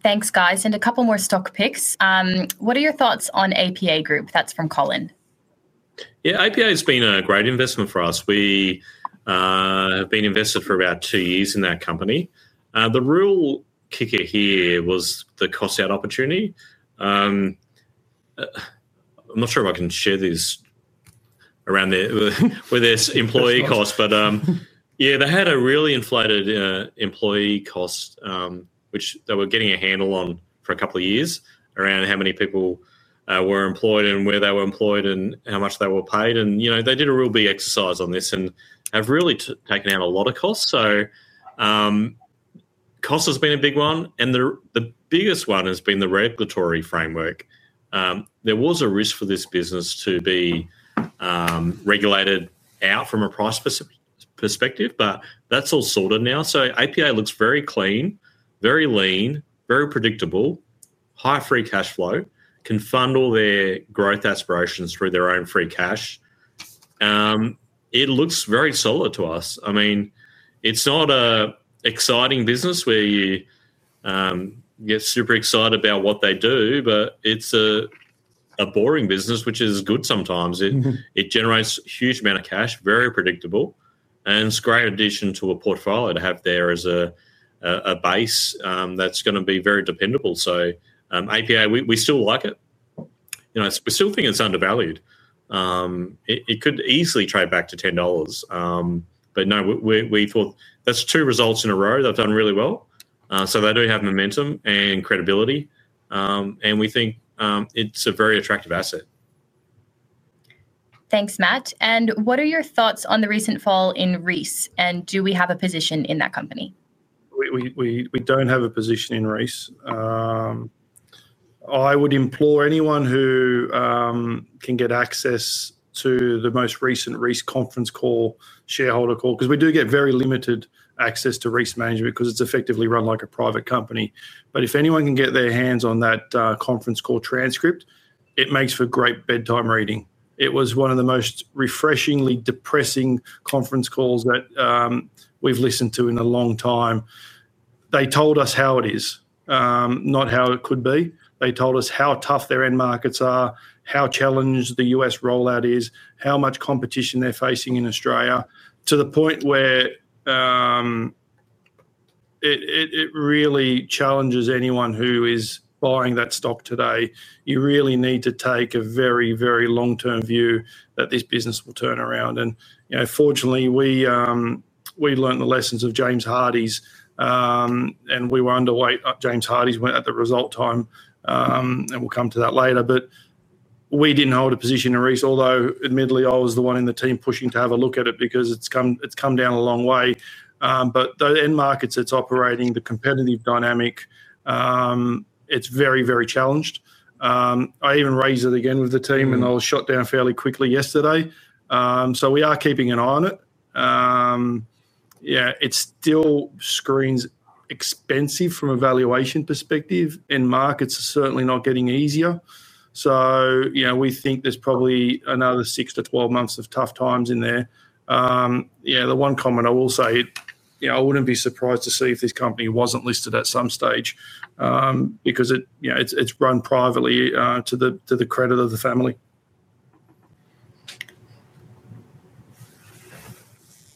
Thanks, guys. And a couple more stock picks. What are your thoughts on APA Group? That's from Colin. Yeah. APA has been a great investment for us. We have been invested for about two years in that company. The real kicker here was the cost out opportunity. I'm not sure if I can share this around the with this employee cost, but yeah. They had a really inflated employee cost, which they were getting a handle on for a couple of years around how many people were employed and where they were employed and how much they were paid. And, you know, they did a real big exercise on this and have really taken out a lot of costs. So cost has been a big one, and the the biggest one has been the regulatory framework. There was a risk for this business to be regulated out from a price perspective, but that's all sorted now. So APA looks very clean, very lean, very predictable, high free cash flow, can fund all their growth aspirations for their own free cash. It looks very solid to us. I mean, it's not a exciting business where you get super excited about what they do, but it's a boring business, which is good sometimes. It Mhmm. It generates huge amount of cash, very predictable, and it's a great addition to a portfolio to have there as a a base that's gonna be very dependable. So API, we we still like it. You know, I still think it's undervalued. It it could easily trade back to $10. But, no, we we we thought that's two results in a row that have done really well. So they do have momentum and credibility, and we think it's a very attractive asset. Thanks, Matt. And what are your thoughts on the recent fall in Reiss, and do we have a position in that company? We we we we don't have a position in Reiss. I would implore anyone who can get access to the most recent Rice conference call shareholder call because we do get very limited access to Rice Management because it's effectively run like a private company. But if anyone can get their hands on that conference call transcript, it makes for great bedtime reading. It was one of the most refreshingly depressing conference calls that we've listened to in a long time. They told us how it is, not how it could be. They told us how tough their end markets are, how challenged The US rollout is, how much competition they're facing in Australia to the point where it it it really challenges anyone who is buying that stock today. You really need to take a very, very long term view that this business will turn around. And, you know, fortunately, we we learned the lessons of James Hardie's, and we were underweight. James Hardie's went at the result time, and we'll come to that later. But we didn't hold a position to reach. Although, admittedly, I was the one in the team pushing to have a look at it because it's come it's come down a long way. But the end markets, it's operating, the competitive dynamic, it's very, very challenged. I even raised it again with the team, and I was shut down fairly quickly yesterday. So we are keeping an eye on it. Yeah. It still screens expensive from a valuation perspective, and markets are certainly not getting easier. So, you know, we think there's probably another six to twelve months of tough times in there. Yeah. The one comment I will say, yeah, I wouldn't be surprised to see if this company wasn't listed at some stage, because it yeah. It's it's run privately, to the to the credit of the family.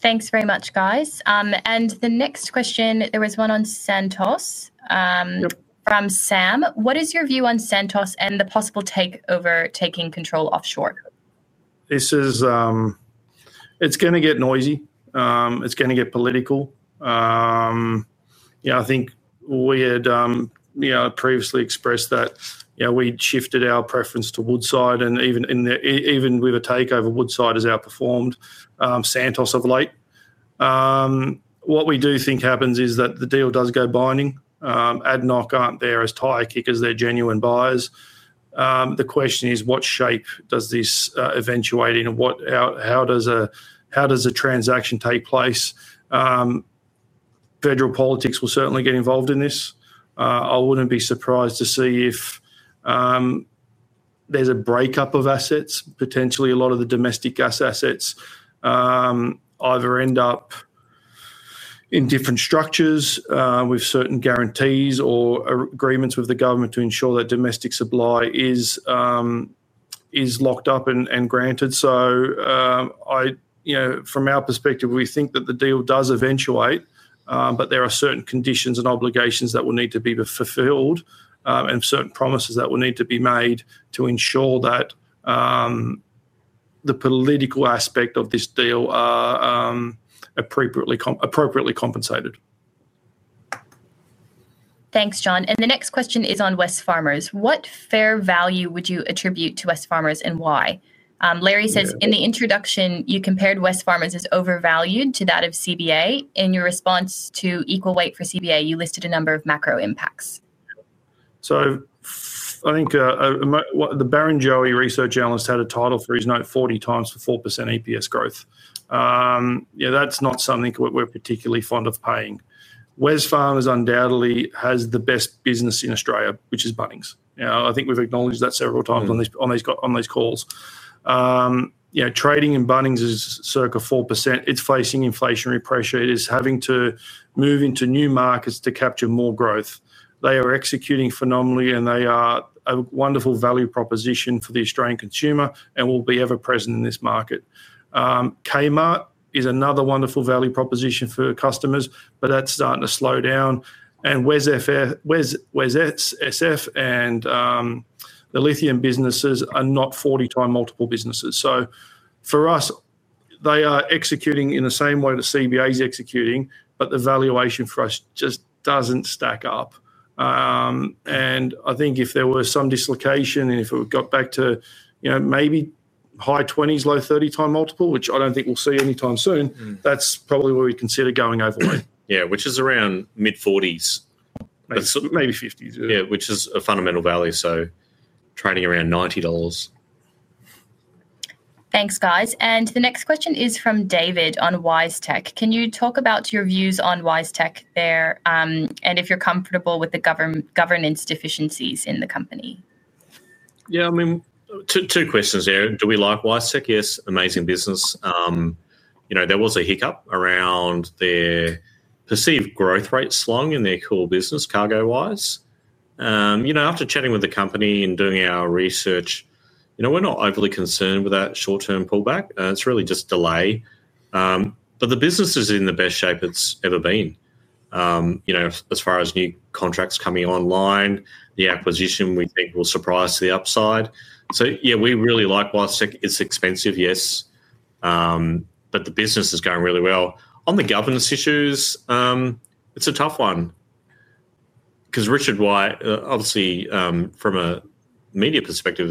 Thanks very much, guys. And the next question, there was one on Santos Yep. From Sam. What is your view on Santos and the possible takeover taking control offshore? This is it's gonna get noisy. It's gonna get political. Yeah. I think we had, you know, previously expressed that, you know, we'd shifted our preference to Woodside. And even in the even with a takeover, Woodside has outperformed Santos of late. What we do think happens is that the deal does go binding. Ad knock aren't there as tie kickers. They're genuine buyers. The question is what shape does this, eventuate in? What how how does a how does a transaction take place? Federal politics will certainly get involved in this. I wouldn't be surprised to see if, there's a breakup of assets. Potentially, a lot of the domestic gas assets either end up in different structures, with certain guarantees or agreements with the government to ensure that domestic supply is locked up and and granted. So I you know, from our perspective, we think that the deal does eventuate, but there are certain conditions and obligations that will need to be fulfilled, and certain promises that will need to be made to ensure that the political aspect of this deal are appropriately appropriately compensated. Thanks, John. And the next question is on Wesfarmers. What fair value would you attribute to Wesfarmers and why? Larry says, in the introduction, you compared Wesfarmers as overvalued to that of CBA. In your response to equal weight for CBA, you listed a number of macro impacts. So I think what the Baron Joey research analyst had a title for his note 40 times to 4% EPS growth. Yeah. That's not something we're we're particularly fond of paying. Wesfarm is undoubtedly has the best business in Australia, which is Bunnings. I think we've acknowledged that several times on these on these on these calls. You know, trading in Bunnings is circa 4%. It's facing inflationary pressure. It is having to move into new markets to capture more growth. They are executing phenomenally, they are a wonderful value proposition for the Australian consumer and will be ever present in this market. Kmart is another wonderful value proposition for customers, but that's starting to slow down. And Wesf Wes Wesets, SF, and, the lithium businesses are not 40 time multiple businesses. So for us, they are executing in the same way the CBA is executing, but the valuation for us just doesn't stack up. And I think if there were some dislocation and if we got back to, you know, maybe high twenties, low 30 time multiple, which I don't think we'll see anytime soon, we consider going overweight. Yeah. Which is around mid forties. Maybe fifties. Which is a fundamental value, so trading around $90. Thanks, guys. And the next question is from David on Wise Tech. Can you talk about your views on Wise Tech there and if you're comfortable with the governance deficiencies in the company? Yes. I mean, two questions there. Do we like Wise Tech? Yes, amazing business. You know, there was a hiccup around their perceived growth rate slung in their core business, cargo wise. You know, after chatting with the company and doing our research, you know, we're not overly concerned with that short term pullback. It's really just delay. But the business is in the best shape it's ever been, you know, as far as new contracts coming online. The acquisition, we think, will surprise the upside. So, yeah, we really like WSEC. It's expensive. Yes. But the business is going really well. On the governance issues, it's a tough one because Richard White, obviously, from a media perspective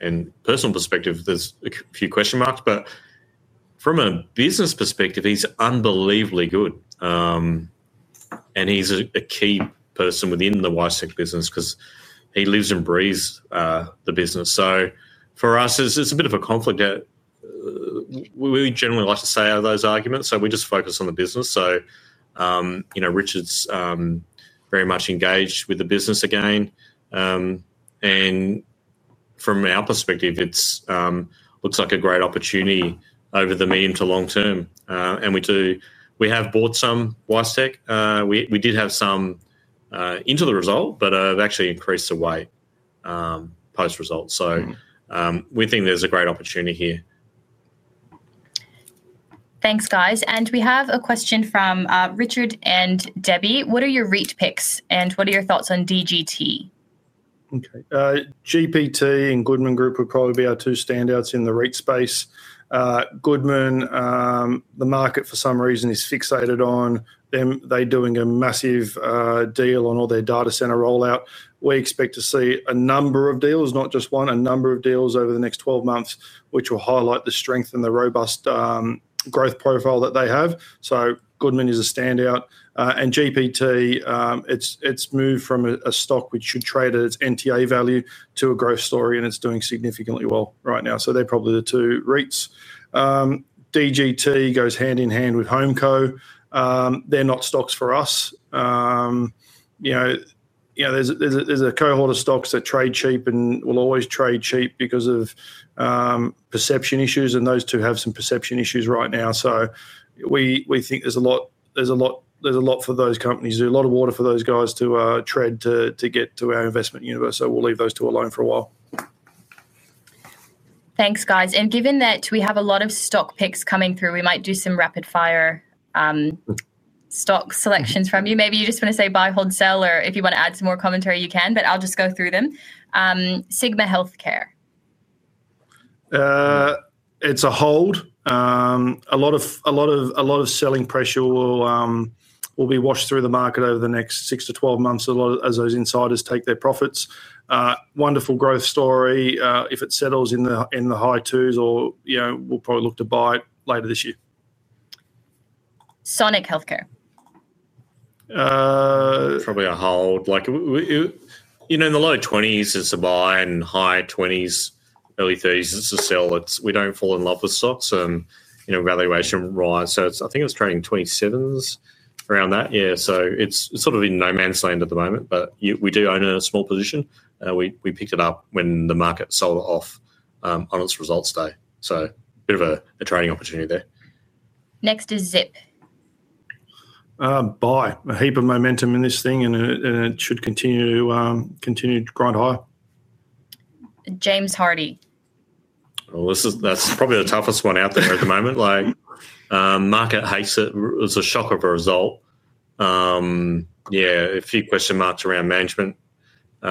and personal perspective, there's a few question marks. But from a business perspective, he's unbelievably good, and he's a a key person within the WiseTech business because he lives and breathes the business. So for us, it's it's a bit of a conflict. Really generally like to say out of those arguments, so we just focus on the business. So, you know, Richard's very much engaged with the business again. And from our perspective, it's looks like a great opportunity over the medium to long term. And we do we have bought some WiseTech. We we did have some, into the result, but have actually increased the weight post results. So we think there's a great opportunity here. Thanks, guys. And we have a question from Richard and Debbie. What are your REIT picks, and what are your thoughts on DGT? Okay. GPT and Goodman Group would probably be our two standouts in the REIT space. Goodman, the market for some reason is fixated on them. They're doing a massive, deal on all their data center rollout. We expect to see a number of deals, not just one, a number of deals over the next twelve months, which will highlight the strength and the robust, growth profile that they have. So Goodman is a standout. And GPT, it's it's moved from a a stock which should trade as NTA value to a growth story, and it's doing significantly well right now. So they're probably the two REITs. DGT goes hand in hand with HomeCo. They're not stocks for us. You know? Yeah. There's a there's a there's a cohort of stocks that trade cheap and will always trade cheap because of perception issues, and those two have some perception issues right now. So we we think there's a lot there's a lot there's a lot for those companies. There's lot of water for those guys to, tread to to get to our investment universe, so we'll leave those two alone for a while. Thanks, guys. And given that we have a lot of stock picks coming through, we might do some rapid fire stock selections from you. Maybe you just wanna say buy, hold, sell, or if you wanna add some more commentary, you can, but I'll just go through them. Sigma Healthcare. It's a hold. A lot of a lot of a lot of selling pressure will be washed through the market over the next six to twelve months a lot as those insiders take their profits. Wonderful growth story if it settles in the in the high twos or, you know, we'll probably look to buy later this year. Sonic Healthcare? Probably a hold. Like, we you know, in the low twenties, it's a buy and high twenties, early thirties, it's a sell. It's we don't fall in love with stocks and, you know, valuation rise. So it's I think it was trading 20 sevens around that. Yeah. So it's sort of in no man's land at the moment, but you we do own it in a small position. We we picked it up when the market sold off, on its results day. So bit of a a trading opportunity there. Next is Zip. Buy. A heap of momentum in this thing, and it and it should continue to continue to grind high. James Hardy. Well, this is that's probably the toughest one out there at the moment. Like, market hates it. It's a shock of a result. Yeah. A few question marks around management. You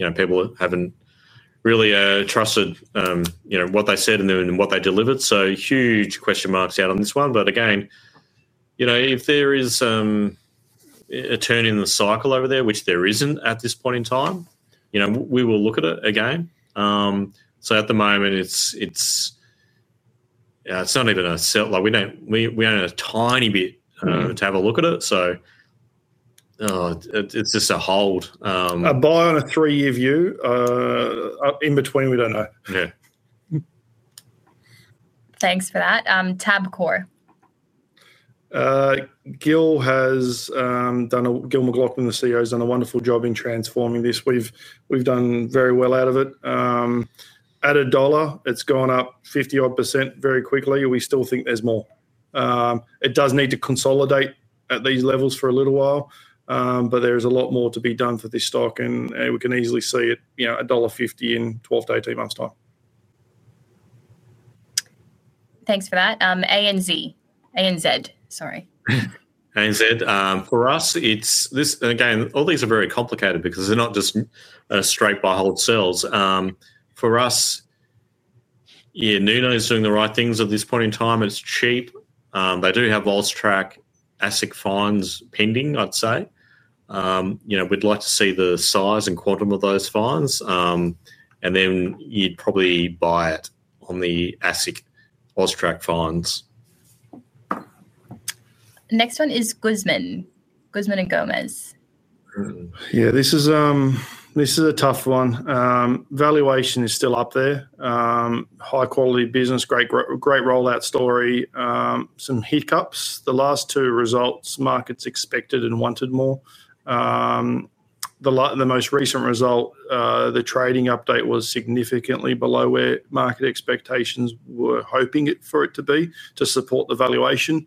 know, people haven't really trusted, you know, what they said and what they delivered. So huge question marks out on this one. But, again, you know, if there is a turn in the cycle over there, which there isn't at this point in time, you know, we will look at it again. So at the moment, it's it's yeah. Yeah. It's not even a sell. Like, we don't we we own a tiny bit to have a look at it. So it it's just a hold. A buy on a three year view? In between, we don't know. Yeah. Thanks for that. Tabcorp. Gil has, done a Gil McLaughlin, the CEO, has done a wonderful job in transforming this. We've we've done very well out of it. At a dollar, it's gone up 50 odd percent very quickly. We still think there's more. It does need to consolidate at these levels for a little while, but there's a lot more to be done for this stock, and and we can easily see it, you know, a dollar 50 in twelve to eighteen months' time. Thanks for that. A n z a n zed. Sorry. A n zed. For us, it's this and, again, all these are very complicated because they're not just straight by whole sales. For us, yeah, Nuna is doing the right things at this point in time. It's cheap. They do have AUSTRAC ASIC funds pending, I'd say. You know, we'd like to see the size and quantum of those funds, and then you'd probably buy it on the ASIC AusTrack funds. Next one is Guzman Guzman and Gomez. Yeah. This is this is a tough one. Valuation is still up there. High quality business, great great rollout story, some hiccups. The last two results, markets expected and wanted more. The lot the most recent result, the trading update was significantly below where market expectations were hoping it for it to be to support the valuation.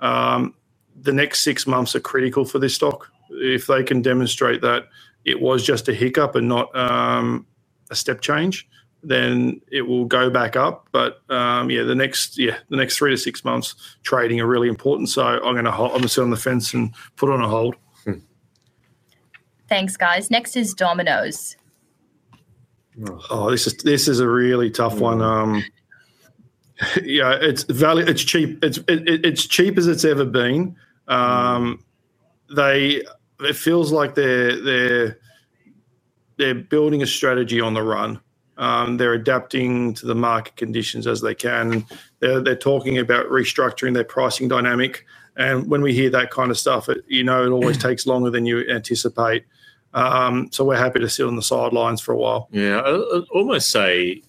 The next six months are critical for this stock. If they can demonstrate that it was just a hiccup and not, a step change, then it will go back up. But, yeah, the next, yeah, the next three to six months trading are really important. So I'm gonna I'm gonna sit on the fence and put on a hold. Thanks, guys. Next is Domino's. Oh, this is this is a really tough one. Yeah. It's value it's cheap. It's it's cheap as it's ever been. They it feels like they're they're they're building a strategy on the run. They're adapting to the market conditions as they can. They're they're talking about restructuring their pricing dynamic. And when we hear that kind of stuff, you know, it always takes longer than you anticipate. So we're happy to sit on the sidelines for a while. Yeah. I I almost say,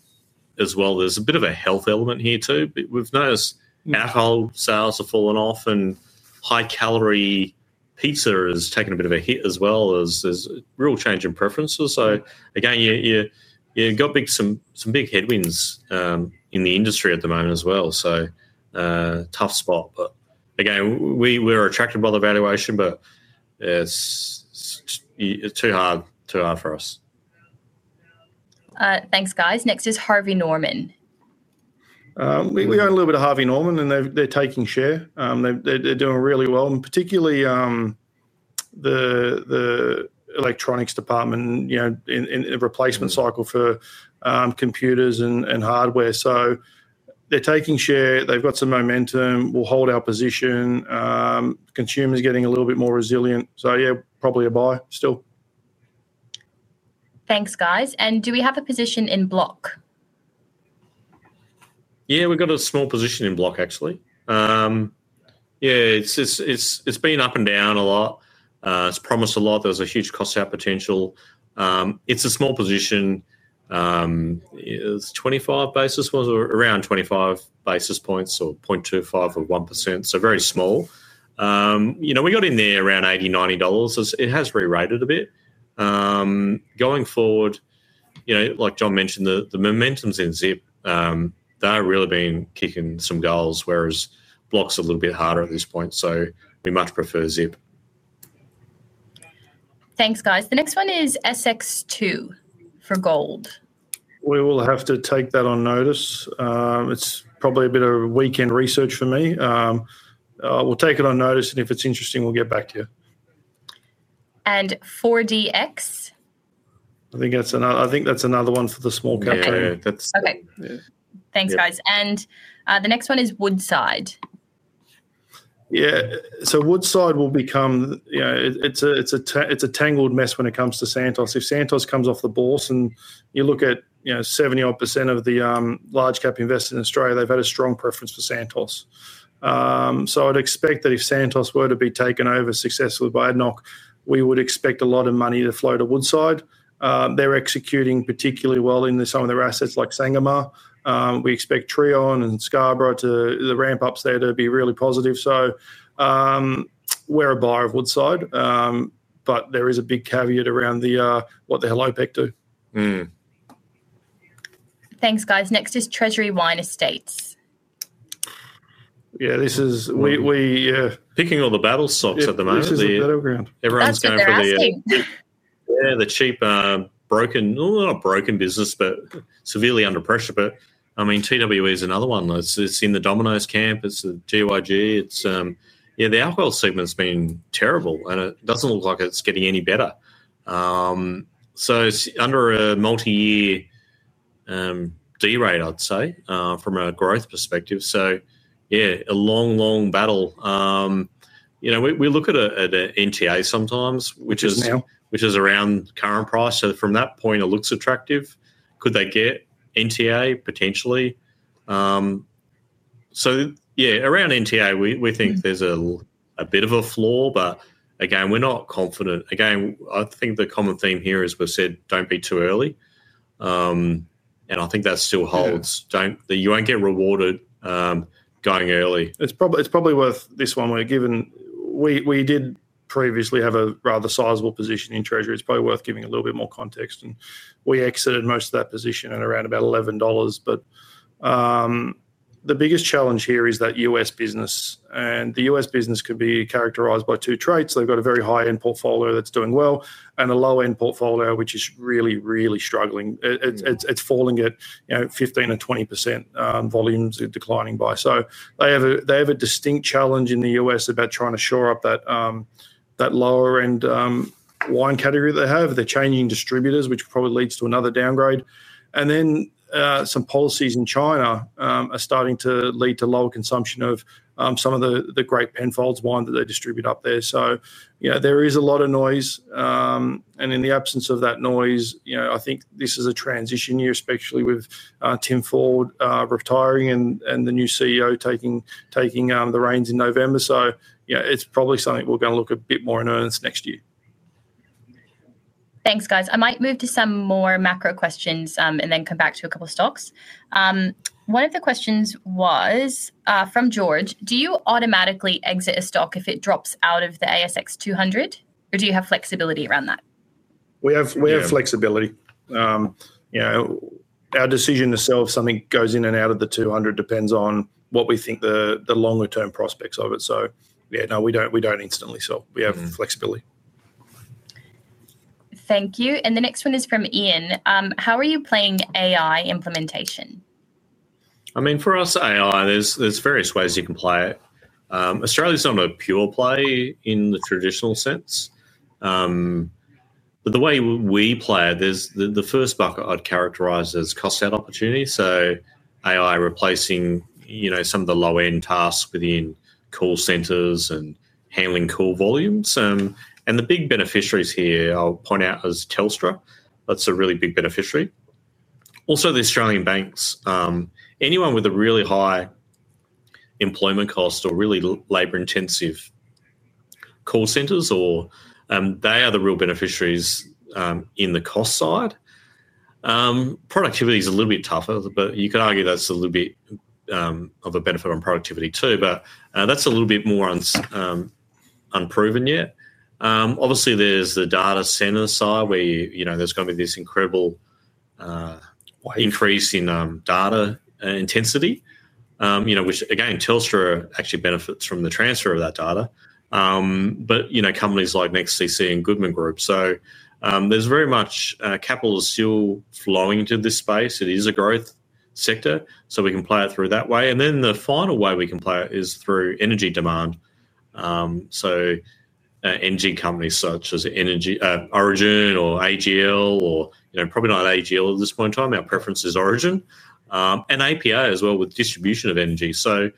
as well, there's a bit of a health element here too. We've noticed Yeah. Sales have fallen off and high calorie pizza is taking a bit of a hit as well as as real change in preferences. So, again, you you you got big some some big headwinds in the industry at the moment as well. So tough spot. But, again, we were attracted by the valuation, but it's it's too hard too hard for us. Thanks, guys. Next is Harvey Norman. We we got a little bit of Harvey Norman, and they're they're taking share. They're they're they're doing really well, and particularly, the the electronics department, you know, in in in replacement cycle for computers and and hardware. So they're taking share. They've got some momentum. We'll hold our position. Consumers getting a little bit more resilient. So, yeah, probably a buy still. Thanks, guys. And do we have a position in block? Yeah. We've got a small position in block, actually. Yeah. It's it's it's it's been up and down a lot. It's promised a lot. There's a huge cost out potential. It's a small position. It's 25 basis points or around 25 basis points or 0.25 or 1%, so very small. We got in there around $80 $90 It has rerated a bit. Going forward, you know, like John mentioned, the the momentum's in Zip, they're really been kicking some goals, whereas Block's a little bit harder at this point, so we much prefer Zip. Thanks, guys. The next one is s x two for gold. We will have to take that on notice. It's probably a bit of a weekend research for me. We'll take it on notice, if it's interesting, we'll get back to you. And four d x? I think that's another I think that's another one for the small cap. That's Okay. Yeah. Thanks, guys. And the next one is Woodside. Yeah. So Woodside will become you know, it it's a it's a it's a tangled mess when it comes to Santos. If Santos comes off the balls and you look at, you know, 70 odd percent of the, large cap investor in Australia, they've had a strong preference for Santos. So I'd expect that if Santos were to be taken over successfully by ADNOC, we would expect a lot of money to flow to Woodside. They're executing particularly well in some of their assets like Sangomar. We expect Treon and Scarborough to the ramp ups there to be really positive. So we're a buyer of Woodside, but there is a big caveat around the what the HelloPeck do. Mhmm. Thanks, guys. Next is Treasury Wine Estates. Yeah. This is we we Picking all the battle socks at the moment. The battleground. Everyone's going to the steep. Yeah. The cheap, broken well, not a broken business, but severely under pressure. But, mean, TWE is another one. It's it's in the Domino's camp. It's the GYG. It's yeah. The alcohol segment's been terrible, and it doesn't look like it's getting any better. So it's under a multiyear derate, I'd say, from a growth perspective. So, yeah, a long, long battle. You know, we we look at the at the NTA sometimes, which is now. Which is around current price. So from that point, it looks attractive. Could they get NTA potentially? So, yeah, around NTA, we we think there's a a bit of a flaw, but, again, we're not confident. Again, I think the common theme here is we said don't be too early, and I think that still holds. Don't that you won't get rewarded going early. It's probably it's probably worth this one where given we we did previously have a rather sizable position in treasury. It's probably worth giving a little bit more context, and we exited most of that position at around about $11, but the biggest challenge here is that US business. And The US business could be characterized by two traits. They've got a very high end portfolio that's doing well and a low end portfolio, which is really, really struggling. It it's it's it's falling at, you know, 15 to 20%, volumes declining by. So they have a they have a distinct challenge in The US about trying to shore up that that lower end wine category they have. They're changing distributors, which probably leads to another downgrade. And then, some policies in China, are starting to lead to lower consumption of, some of the the great Penfolds wine that they distribute up there. So, yeah, there is a lot of noise. And in the absence of that noise, you know, I think this is a transition year, especially with Tim Ford retiring and and the new CEO taking taking the reins in November. So, yeah, it's probably something we're gonna look a bit more in earnest next year. Thanks, guys. I might move to some more macro questions and then come back to a couple of stocks. One of the questions was from George. Do you automatically exit a stock if it drops out of the ASX 200, or do you have flexibility around that? We have we have flexibility. You know, our decision to sell if something goes in and out of the 200 depends on what we think the the longer term prospects of it. So yeah. No. We don't we don't instantly. We have flexibility. Thank you. And the next one is from Ian. How are you playing AI implementation? I mean, for us, AI, there's there's various ways you can play it. Australia's not a pure play in the traditional sense. But the way we play, there's the the first bucket I'd characterize as cost out opportunity. So AI replacing, you know, some of the low end tasks within call centers and handling call volumes. And the big beneficiaries here, I'll point out, is Telstra. That's a really big beneficiary. Also, the Australian banks, anyone with a really high employment cost or really labor intensive call centers or they are the real beneficiaries in the cost side. Productivity is a little bit tougher, but you can argue that's a little bit of a benefit on productivity too. But that's a little bit more unproven yet. Obviously, there's the data center side where, you know, there's gonna be this incredible increase in data intensity, you know, which, again, Telstra actually benefits from the transfer of that data. But, you know, companies like NextCC and Goodman Group. So there's very much capital is still flowing to this space. It is a growth sector, so we can play it through that way. And then the final way we can play it is through energy demand. So energy companies such as energy Origin or AGL or you know, probably not AGL at this point in time. Our preference is Origin. And API as well with distribution of energy. So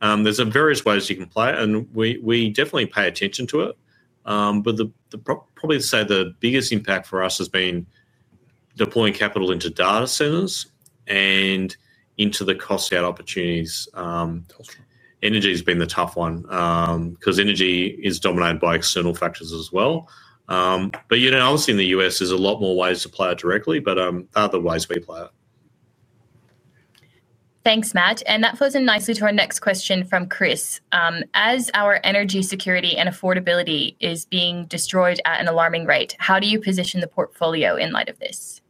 there's various ways you can play it, and we we definitely pay attention to it. But the the probably to say the biggest impact for us has been deploying capital into data centers and into the cost out opportunities. Energy has been the tough one because energy is dominated by external factors factors as well. But, you know, obviously, in The US, there's a lot more ways to play it directly, otherwise, we play it. Thanks, Matt. And that flows in nicely to our next question from Chris. As our energy security and affordability is being destroyed at an alarming rate, how do you position the portfolio in light of this?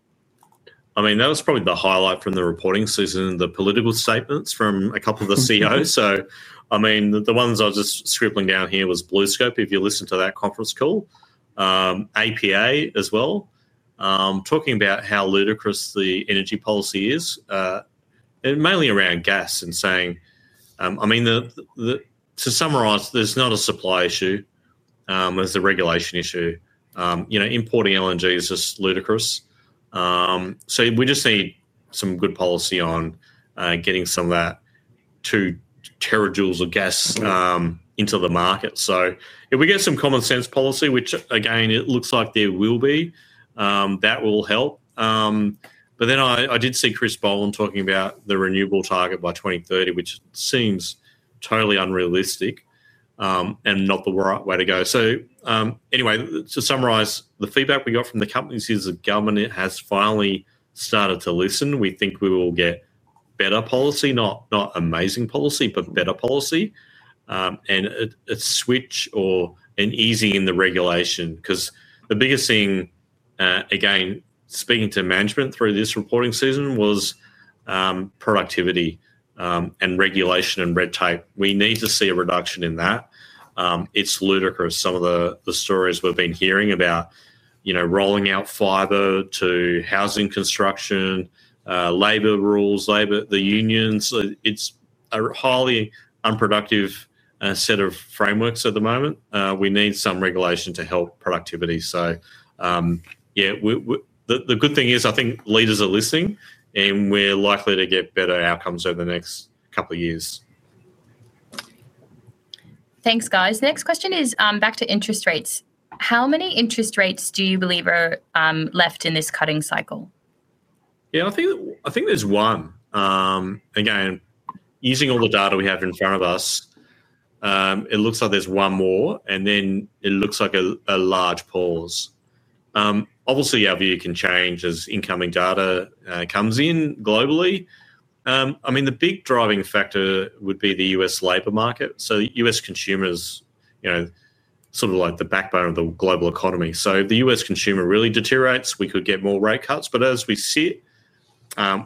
I mean, that was probably the highlight from the reporting season, the political statements from a couple of the CEOs. So I mean, the ones I was just scribbling down here was BlueScope, if you listen to that conference call, APA as well, talking about how ludicrous the energy policy is, mainly around gas and saying I mean, the the to summarize, there's not a supply issue. There's a regulation issue. You know, importing LNG is just ludicrous. So we just need some good policy on getting some of that two terajoules of gas into the market. So if we get some common sense policy, which, again, it looks like there will be, that will help. But then I I did see Chris Bowen talking about the renewable target by 2030, which seems totally unrealistic and not the right way to go. So, anyway, to summarize, the feedback we got from the companies is that government has finally started to listen. We think we will get better policy, not not amazing policy, but better policy. And a a switch or an easing in the regulation. Because the biggest thing, again, speaking to management through this reporting season, was productivity and regulation and red tape. We need to see a reduction in that. It's ludicrous. Some of the stories we've been hearing about rolling out fiber to housing construction, labor rules, labor the unions. So it's a highly unproductive set of frameworks at the moment. We need some regulation to help productivity. Yeah, the good thing is I think leaders are listening, and we're likely to get better outcomes over the next couple of years. Thanks, guys. Next question is back to interest rates. How many interest rates do you believe are left in this cutting cycle? Yeah. I think there's one. Again, using all the data we have in front of us, it looks like there's one more, and then it looks like a large pause. Obviously, our view can change as incoming data comes in globally. Mean the big driving factor would be The U. S. Labor market. So U. S. Consumers are sort of like the backbone of the global economy. So if The U. S. Consumer really deteriorates, we could get more rate cuts. But as we see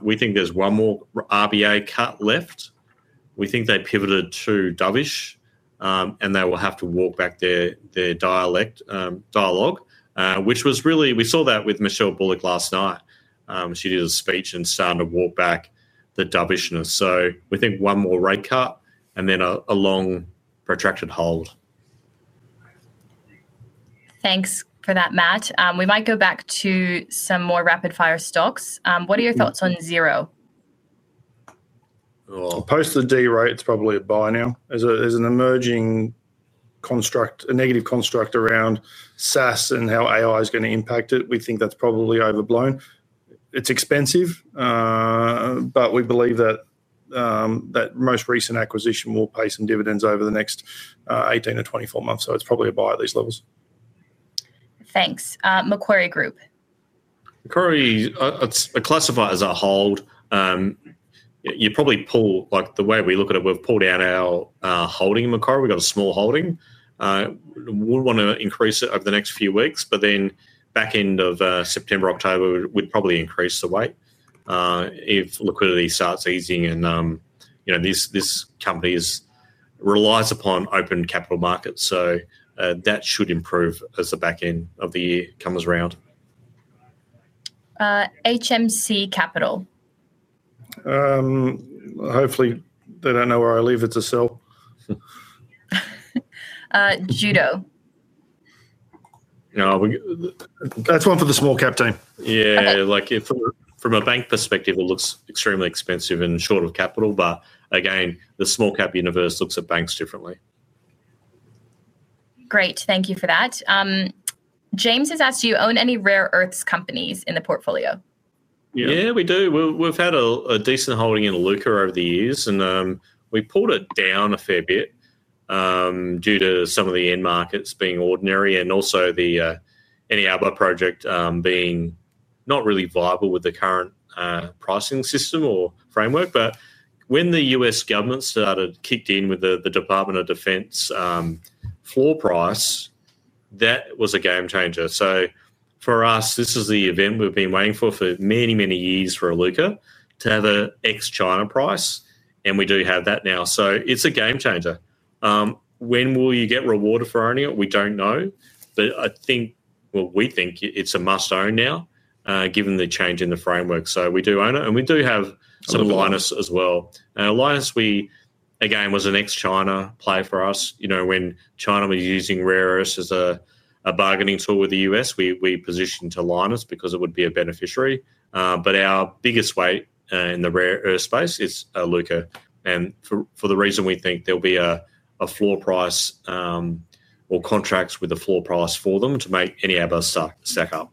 we think there's one more RBA cut left. We think they pivoted to dovish, and they will have to walk back their dialogue, which was really we saw that with Michelle Bullock last night. She did a speech and started to walk back the dovishness. So we think one more rate cut and then a a long protracted hold. Thanks for that, Matt. We might go back to some more rapid fire stocks. What are your thoughts on zero? Post the d rate, it's probably a buy now. As a as an emerging construct a negative construct around SaaS and how AI is gonna impact it. We think that's probably overblown. It's expensive, but we believe that, that most recent acquisition will pay some dividends over the next, eighteen to twenty four months. So it's probably a buy at these levels. Thanks. Macquarie Group. Macquarie, classify it as a hold. You probably pull like, the way we look at it, we've pulled out our holding in Macquarie. We got a small holding. We wanna increase it over the next few weeks, but then back September, October, we'd probably increase the weight if liquidity starts easing and this company relies upon open capital markets. So that should improve as the back end of the year comes around. HMC Capital. Hopefully, they don't know where I leave it to sell. Judo. No. We that's one for the small cap team. Yeah. Like, from bank perspective, it looks extremely expensive and short of capital. But again, the small cap universe looks at banks differently. Great. Thank you for that. James has asked, do you own any rare earths companies in the portfolio? Yes, we do. We've had a decent holding in Luka over the years, and we pulled it down a fair bit due to some of the end markets being ordinary and also Eniaba project being not really viable with the current pricing system or framework. But when the U. S. Government started kicked in with the Department of Defense floor price, that was a game changer. So for us, this is the event we've been waiting for for many, many years for Aluca to have a ex China price, and we do have that now. So it's a game changer. When will you get rewarded for owning it? We don't know. But I think well, we think it's a must own now given the change in the framework. So we do own it, and we do have some Linus as well. And Linus, again, was an ex China play for us. You know, when China was using rare earths as a a bargaining tool with The US, we we positioned to Linus because it would be a beneficiary. But our biggest weight in the rare earth space is Luca, And for for the reason we think there'll be a a floor price or contracts with a floor price for them to make any of us suck suck up.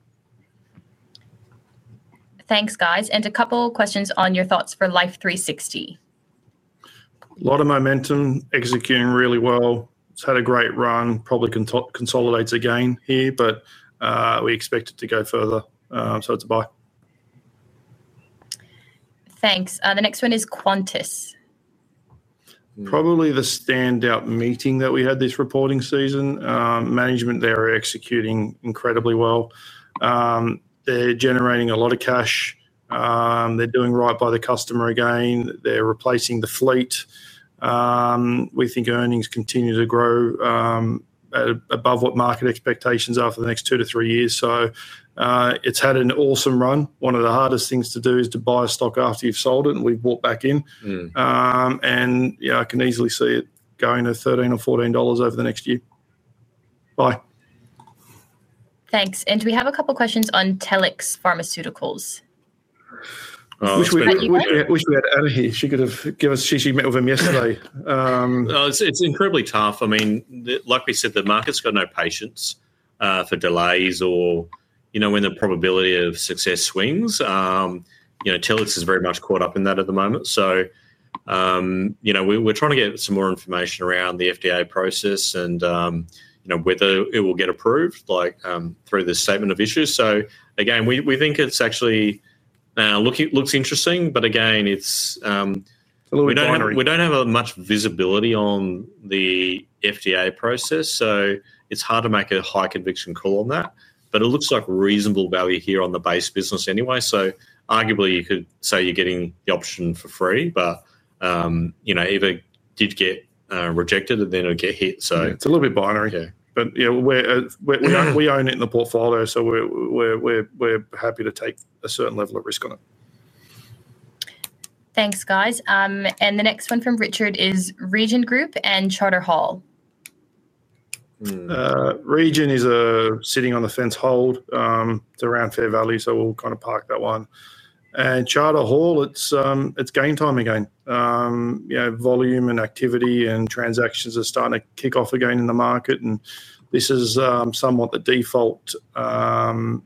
Thanks, guys. And a couple questions on your thoughts for Life360. A lot of momentum, executing really well. It's had a great run, probably consolidates again here, but, we expect it to go further. So it's a buy. Thanks. The next one is Qantas. Probably the standout meeting that we had this reporting season. Management, they're executing incredibly well. They're generating a lot of cash. They're doing right by the customer again. They're replacing the fleet. We think earnings continue to grow above what market expectations are for the next two to three years. So it's had an awesome run. One of the hardest things to do is to buy stock after you've sold it, and we bought back in. And, yeah, I can easily see it going to 13 or $14 over the next year. Bye. Thanks. And do we have a couple questions on Telix Pharmaceuticals? Wish we wish we had Al here. She could have given us she she met with him yesterday. It's it's incredibly tough. I mean, the like we said, the market's got no patience for delays or, you know, when the probability of success swings. You know, Telix is very much caught up in that at the moment. So, you know, we were trying to get some more information around the FDA process and, you know, whether it will get approved, like, through the statement of issues. So, again, we we think it's actually looking looks interesting. But, it's we we don't have much visibility on the FDA process, so it's hard to make a high conviction call on that. But it looks like reasonable value here on the base business anyway. So arguably, you could say you're getting the option for free, but, you know, if it did get rejected, then it'll get hit. It's a little bit binary here. But, you know, we're we own we own it in the portfolio, so we're we're we're happy to take a certain level of risk on it. Thanks, guys. And the next one from Richard is Region Group and Charter Hall. Region is a sitting on the fence hold. It's around Fair Valley, so we'll kind of park that one. And Charter Hall, it's it's game time again. You know, volume and activity and transactions are starting to kick off again in the market, and this is somewhat the default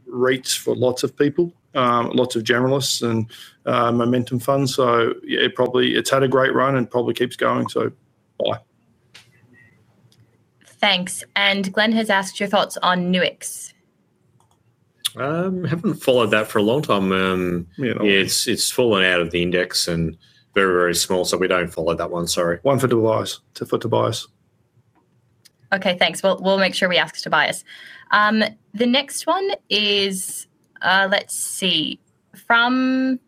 rates for lots of people, lots of generalists and momentum funds. So, yeah, it probably it's had a great run and probably keeps going. So bye. Thanks. And Glenn has asked your thoughts on Nuix. Haven't followed that for a long time. Yeah. It's it's fallen out of the index and very, very small, so we don't follow that one. Sorry. One for Tobias. Two for Tobias. Okay. Thanks. We'll we'll make sure we ask Tobias. The next one is, let's see. From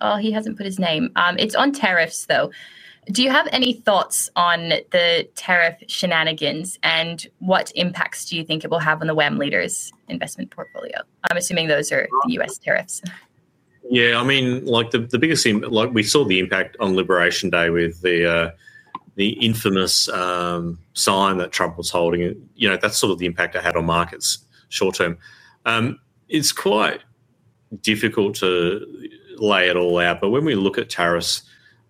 oh, he hasn't put his name. It's on tariffs, though. Do you have any thoughts on the tariff shenanigans? And what impacts do you think it will have on the WAM leaders' investment portfolio? I'm assuming those are US tariffs. Yeah. I mean, like, the biggest like, we saw the impact on Liberation Day with the infamous sign that Trump was holding it. That's sort of the impact it had on markets short term. It's quite difficult to lay it all out. But when we look at tariffs,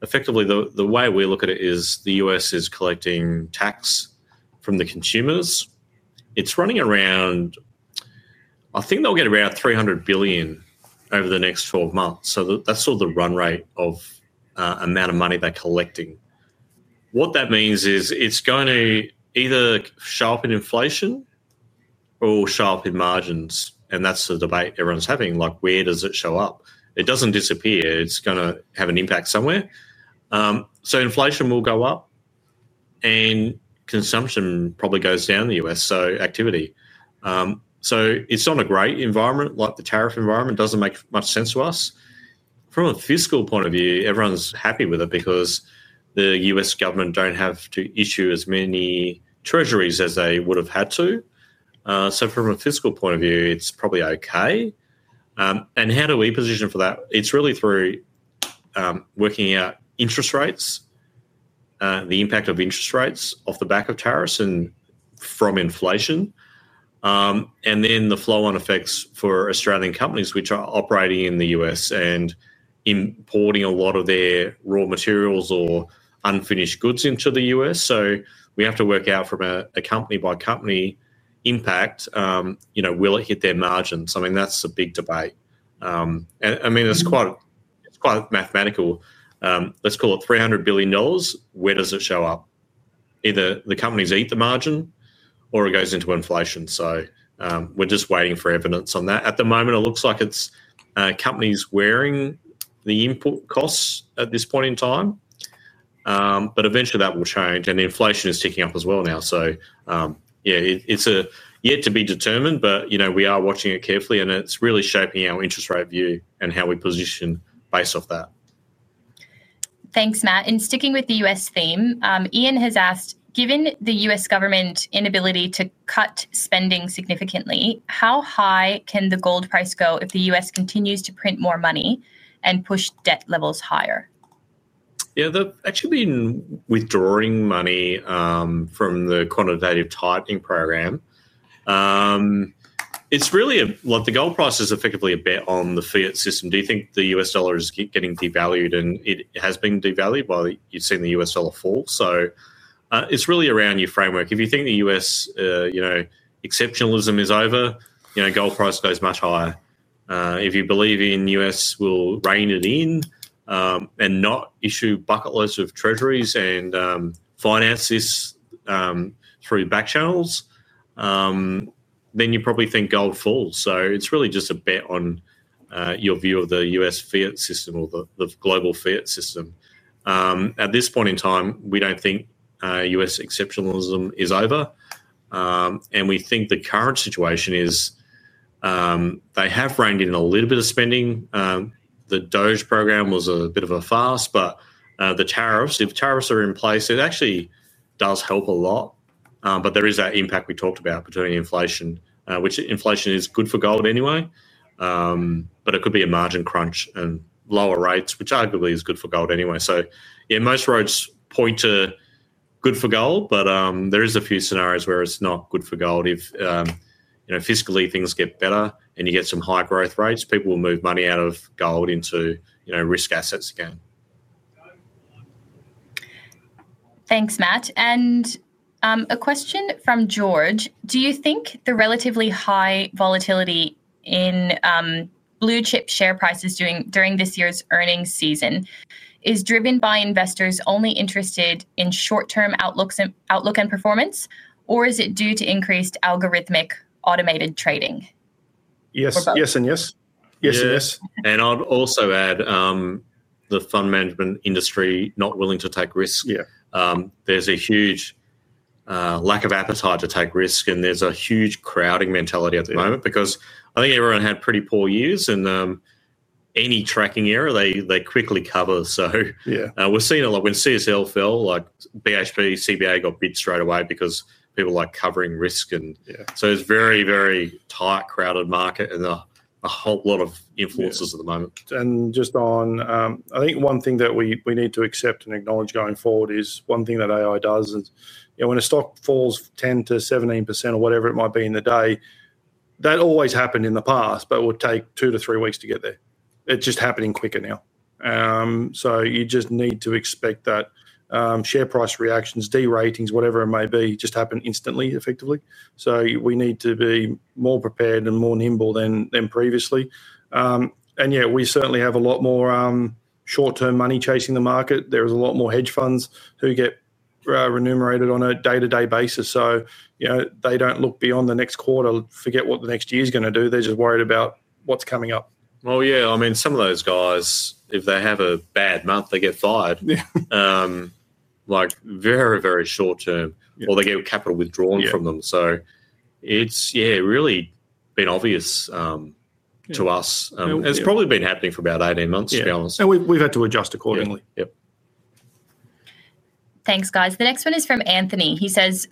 effectively, the way we look at it is The U. S. Is collecting tax from the consumers. It's running around I think they'll get around 300,000,000,000 over the next twelve months. So that that's sort the run rate of, amount of money they're collecting. What that means is it's gonna either show up in inflation or show up in margins, and that's the debate everyone's having. Like, where does it show up? Doesn't disappear. It's gonna have an impact somewhere. So inflation will go up, and consumption probably goes down in The US, so activity. So it's not a great environment. Like, the tariff environment doesn't make much sense to us. From a fiscal point of view, everyone's happy with it because the US government don't have to issue as many treasuries as they would have had to. So from a fiscal point of view, it's probably okay. And how do we position for that? It's really through working out interest rates, the impact of interest rates off the back of tariffs and from inflation, and then the flow on effects for Australian companies, are operating in The US and importing a lot of their raw materials or unfinished goods into The U. S. So we have to work out from a company by company impact, will it hit their margins? I mean, that's a big debate. Mean, it's it's quite quite mathematical. Let's call it $300,000,000,000. Where does it show up? Either the companies eat the margin or it goes into inflation. So we're just waiting for evidence on that. At the moment, it looks like it's companies wearing the input costs at this point in time. But eventually, that will change. And inflation is ticking up as well now. So, yeah, it's yet to be determined, but we are watching it carefully and it's really shaping our interest rate view and how we position based off that. Thanks, Matt. And sticking with The US theme, Ian has asked, given the US government inability to cut spending significantly, how high can the gold price go if The US continues to print more money and push debt levels higher? Yeah. They've actually been withdrawing money, from the quantitative tightening program. It's really a look, the gold price is effectively a bet on the fiat system. Do you think the US dollars keep getting devalued and it has been devalued while you've seen the US dollar fall? So, it's really around your framework. If you think The US, you know, exceptionalism is over, you know, gold price goes much higher. If you believe in US, we'll rein it in and not issue bucket list of treasuries and finances through back channels, then you probably think gold falls. So it's really just a bet on your view of The US fiat system or the the global fiat system. At this point in time, we don't think US exceptionalism is over. And we think the current situation is they have framed in a little bit of spending. The Doge program was a bit of a fast, but the tariffs, if tariffs are in place, it actually does help a lot. But there is that impact we talked about between inflation, which inflation is good for gold anyway. But it could be a margin crunch and lower rates, which arguably is good for gold anyway. So, yeah, most roads point to good for gold, but there is a few scenarios where it's not good for gold. Fiscally things get better and you get some high growth rates, people will move money out of gold into risk assets again. Thanks, Matt. And a question from George. Do you think the relatively high volatility in blue chip share prices during this year's earnings season is driven by investors only interested in short term outlooks and outlook and performance, or is it due to increased algorithmic automated trading? Yes and yes. Yes and yes. And I'd also add the fund management industry not willing to take risk. Yeah. There's a huge lack of appetite to take risk, and there's a huge crowding mentality at the moment because I think everyone had pretty poor years. And any tracking error, they they quickly cover. So Yeah. We're seeing a lot when CSL fell, like, BHP, CBA got bit straight away because people like covering risk and Yeah. So it's very, very tight crowded market and a whole lot of influences at the moment. And just on I think one thing that we we need to accept and acknowledge going forward is one thing that AI does is, you know, when a stock falls 10 to 17% or whatever it might be in the day, that always happened in the past, but would take two to three weeks to get there. It's just happening quicker now. So you just need to expect that share price reactions, deratings, whatever it may be, just happen instantly, effectively. So we need to be more prepared and more nimble than than previously. And, yeah, we certainly have a lot more, short term money chasing the market. There's a lot more hedge funds who get, renumerated on a day to day basis. So, you know, they don't look beyond the next quarter, forget what the next year's gonna do. They're just worried about what's coming up. Oh, yeah. I mean, some of those guys, if they have a bad month, they get fired. Yeah. Like, very, very short term. Or they get capital withdrawn from them. So it's, yeah, really been obvious to us. It's probably been happening for about eighteen months, to be honest. And we've to adjust accordingly. Yep. Thanks, guys. The next one is from Anthony. He says,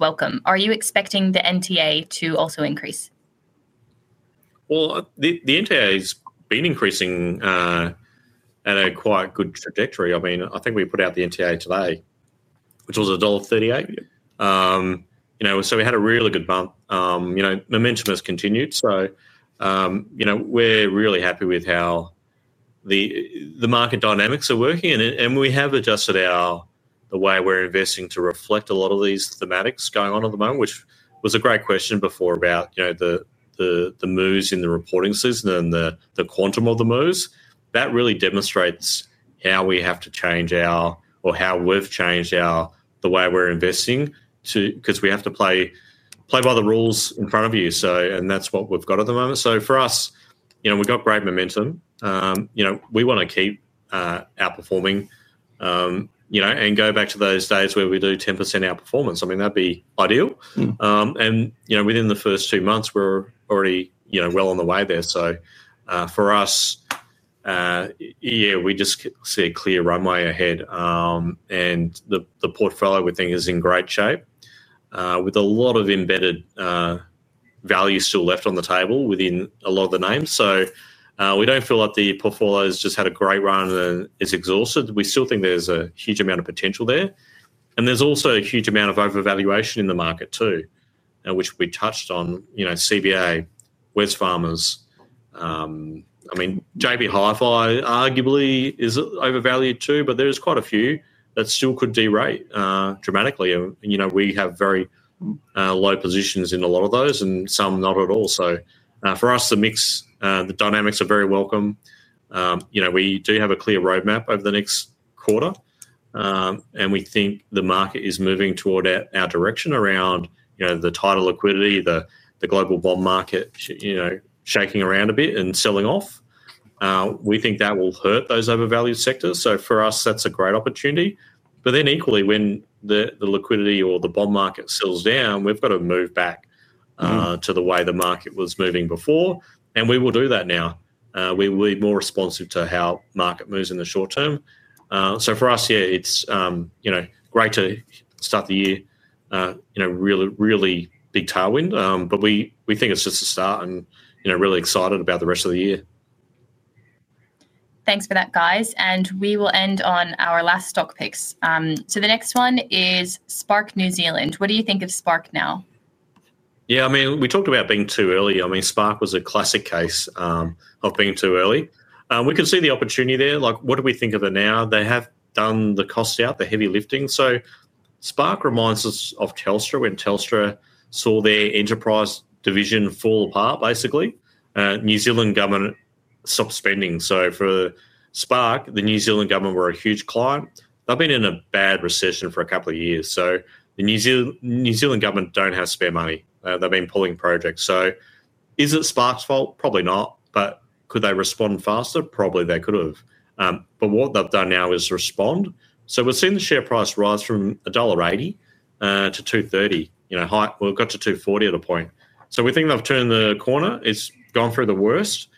welcome. Are you expecting the NTA to also increase? Well, the NTA has been increasing at a quite good trajectory. I mean, I think we put out the NTA today, which was $1.38 You know, so we had a really good bump. Know, momentum has continued. So, you know, we're really happy with how the the market dynamics are working. And and we have adjusted our the way we're investing to reflect a lot of these thematics going on at the moment, which was a great question before about the moves in the reporting system and the quantum of the moves. That really demonstrates how we have to change our or how we've changed our the way we're investing to because we have to play play by the rules in front of you. So and that's what we've got at the moment. So for us, you know, we've got great momentum. You know, we wanna keep outperforming, you know, and go back to those days where we do 10% outperformance. I mean, that'd be ideal. And, you know, within the first two months, we're already, you know, well on the way there. So for us, yeah, we just see a clear runway ahead. And the the portfolio, we think, is in great shape with a lot of embedded value still left on the table within a lot of the names. So we don't feel like the portfolio has just had a great run and is exhausted. We still think there's a huge amount of potential there. And there's also a huge amount of overvaluation in the market too, which we touched on, CBA, Wesfarmers. I mean, JB HiFi arguably is overvalued too, but there's quite a few that still could derate dramatically. We have very low positions in a lot of those and some not at all. So for us, the mix, the dynamics are very welcome. We do have a clear road map over the next quarter, and we think the market is moving toward our direction around the tighter liquidity, the global bond market, you know, shaking around a bit and selling off. We think that will hurt those overvalued sectors. So for us, that's a great opportunity. But then equally, when the the liquidity or the bond market sells down, we've got to move back to the way the market was moving before, and we will do that now. We will be more responsive to how market moves in the short term. So for us, yeah, it's, you know, great to start the in a really, really big tailwind, but we we think it's just a start and, you know, really excited about the rest of the year. Thanks for that, guys. And we will end on our last stock picks. So the next one What do you think of Spark now? Yeah. I mean, we talked about being too early. I mean, Spark was a classic case, of being too early. We can see the opportunity there. Like, what do we think of it now? They have done the cost out, the heavy lifting. So Spark reminds us of Telstra when Telstra saw their enterprise division fall apart, basically. New Zealand government stopped spending. So for Spark, the New Zealand government were a huge client. They've been in a bad recession for a couple of years. So the New Zealand government don't have spare money. They've been pulling projects. So is it Spark's fault? Probably not. But could they respond faster? Probably they could have. But what they've done now is respond. So we've seen the share price rise from 1 point dollars 8 to $2.3 high. Well, it got to 2.4 at a point. So we think they've turned the corner. It's gone through the worst.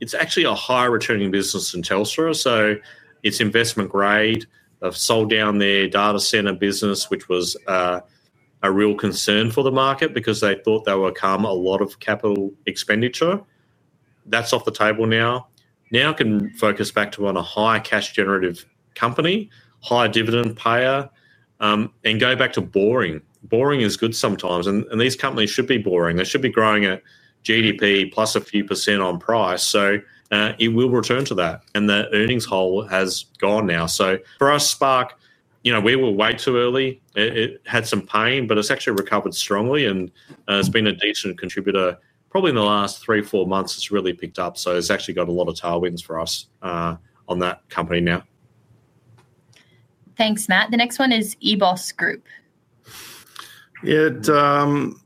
It's actually a high returning business than Telstra, so it's investment grade. They've sold down their data center business, which was a real concern for the market because they thought there would come a lot of capital expenditure. That's off the table now. Now can focus back to on a high cash generative company, high dividend payer, and go back to boring. Boring is good sometimes, and these companies should be boring. They should be growing at GDP plus a few percent on price, so it will return to that. And the earnings hole has gone now. So for us, Spark, you know, we were way too early. It it had some pain, but it's actually recovered strongly and has been a decent contributor. Probably in the last three, four months, it's really picked up. So it's actually got a lot of tailwinds for us on that company now. Thanks, Matt. The next one is EBOS Group. It just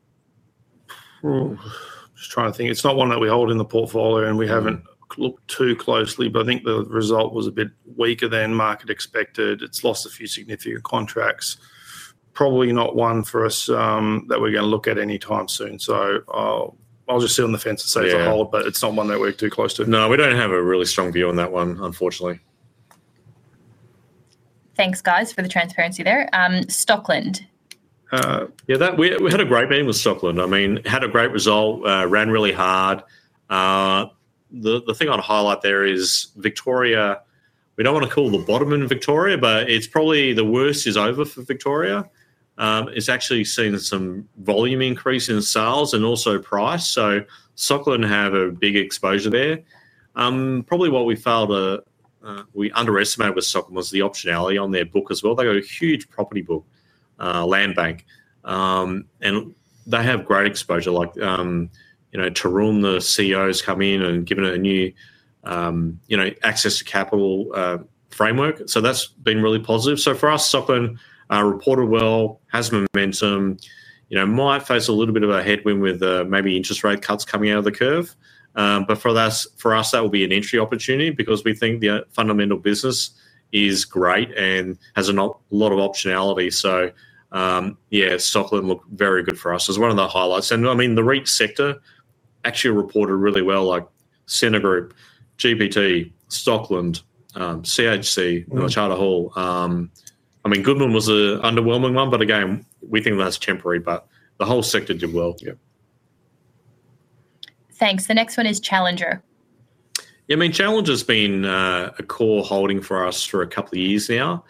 trying to think. It's not one that we hold in the portfolio, and we haven't looked too closely. But I think the result was a bit weaker than market expected. It's lost a few significant contracts. Probably not one for us that we're gonna look at anytime soon. So I'll just sit on the fence and say it's a whole, but it's not one that we're too close to. No. We don't have a really strong view on that one, unfortunately. Thanks, guys, for the transparency there. Stockland. Yeah. That we we had a great meeting with Stockland. I mean, had a great result, ran really hard. The the thing I'd highlight there is Victoria. We don't wanna call the bottom in Victoria, but it's probably the worst is over for Victoria. It's actually seen some volume increase in sales and also price. So Socklin have a big exposure there. Probably what we found we underestimated with Socken was the optionality on their book as well. They got a huge property book, land bank. And they have great exposure. Like, you know, Tarun, the CEO's coming in and giving it a new, you know, access to capital framework. So that's been really positive. So for us, Soppen reported well, has momentum, you know, might face a little bit of a headwind with maybe interest rate cuts coming out of the curve. But for us, that will be an entry opportunity because we think the fundamental business is great and has a lot of optionality. So, yeah, Stockland looked very good for us. It's one of the highlights. And, I mean, the REIT sector actually reported really well, like, Centre Group, GBT, Stockland, CHC, Charter Hall. Mean, Goodman was an underwhelming one, but, again, we think that's temporary, the whole sector did well. Yeah. Thanks. The next one is Challenger. Yeah. I mean, Challenger's been a a core holding for us for a couple of years now.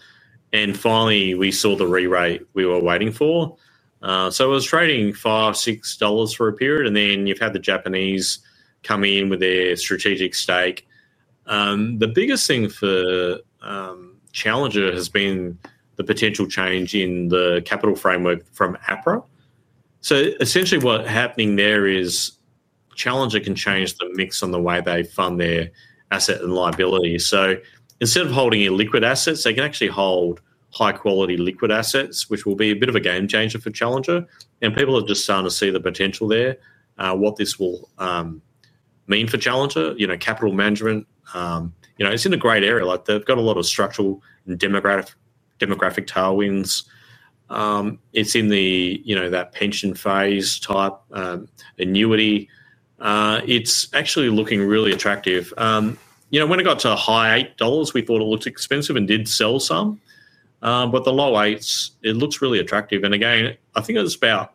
And finally, we saw the rerate we were waiting for. So it was trading $56 for a period, and then you've had the Japanese come in with their strategic stake. The biggest thing for Challenger has been the potential change in the capital framework from APRA. So, essentially, what happening there is Challenger can change the mix on the way they fund their asset and liability. So instead of holding illiquid assets, they can actually hold high quality liquid assets, which will be a bit of a game changer for Challenger. And people are just starting to see the potential there, what this will mean for Challenger. You know, capital management, you know, it's in a great area. Like, they've got a lot of structural and demographic tailwinds. It's in the, you know, that pension phase type annuity. It's actually looking really attractive. You know, when it got to a high eight dollars, we thought it looked expensive and did sell some. But the low eights, it looks really attractive. And, again, I think it was about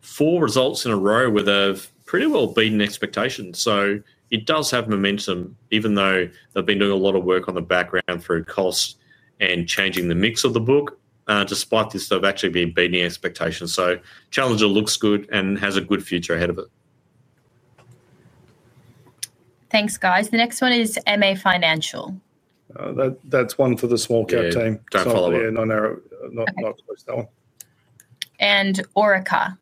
four results in a row with a pretty well beaten expectation. So it does have momentum even though they've been doing a lot of work on the background for cost and changing the mix of the book. Despite this, they've actually been beating expectations. So Challenger looks good and has a good future ahead of it. Thanks, guys. The next one is MA Financial. That that's one for the small cap team. Don't follow it. A non aero not not to waste that one. And Orica?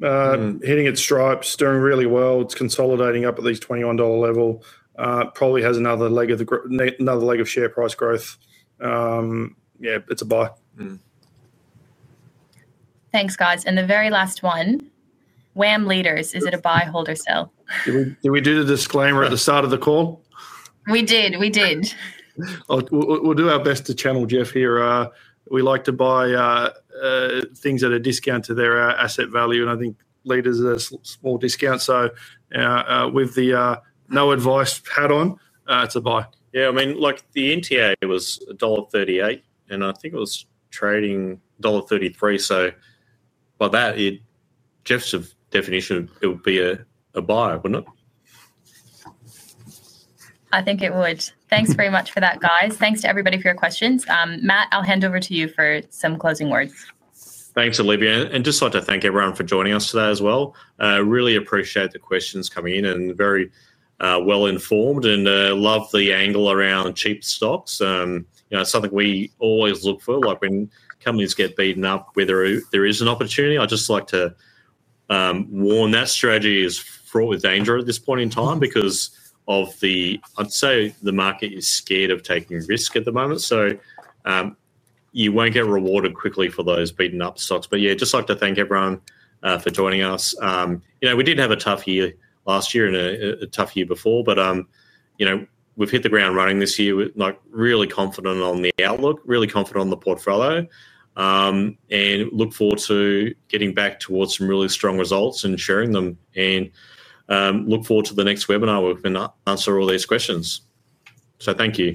Hitting its stripes, doing really well. It's consolidating up at least $21 level. Probably has another leg of the another leg of share price growth. Yeah. It's a buy. Mhmm. Thanks, guys. And the very last one, Wham Leaders. Is it a buy, hold, or sell? Did we did we do the disclaimer at the start of the call? We did. We did. We'll do our best to channel Jeff here. We like to buy things at a discount to their asset value, and I think leaders are a small discount. So with the no advice pat on, it's a buy. Yeah. I mean, like, the NTA was a dollar 38, and I think it was trading dollar 33. So by that, it Jeff's definition, it would be a a buy, wouldn't it? I think it would. Thanks very much for that, guys. Thanks to everybody for your questions. Matt, I'll hand over to you for some closing words. Thanks, Olivia. And just like to thank everyone for joining us today as well. Really appreciate the questions coming in and very, well informed and, love the angle around cheap stocks. It's something we always look for, like when companies get beaten up whether there is an opportunity, I'd just like to, warn that strategy is fraught with danger at this point in time because of the I'd say the market is scared of taking risk at the moment. So you won't get rewarded quickly for those beaten up stocks. But yes, just like to thank everyone for joining us. We did have a tough year last year and a tough year before, but we've hit the ground running this year. We're not really confident on the outlook, really confident on the portfolio and look forward to getting back towards some really strong results and sharing them. And look forward to the next webinar where we're gonna answer all these questions. So thank you.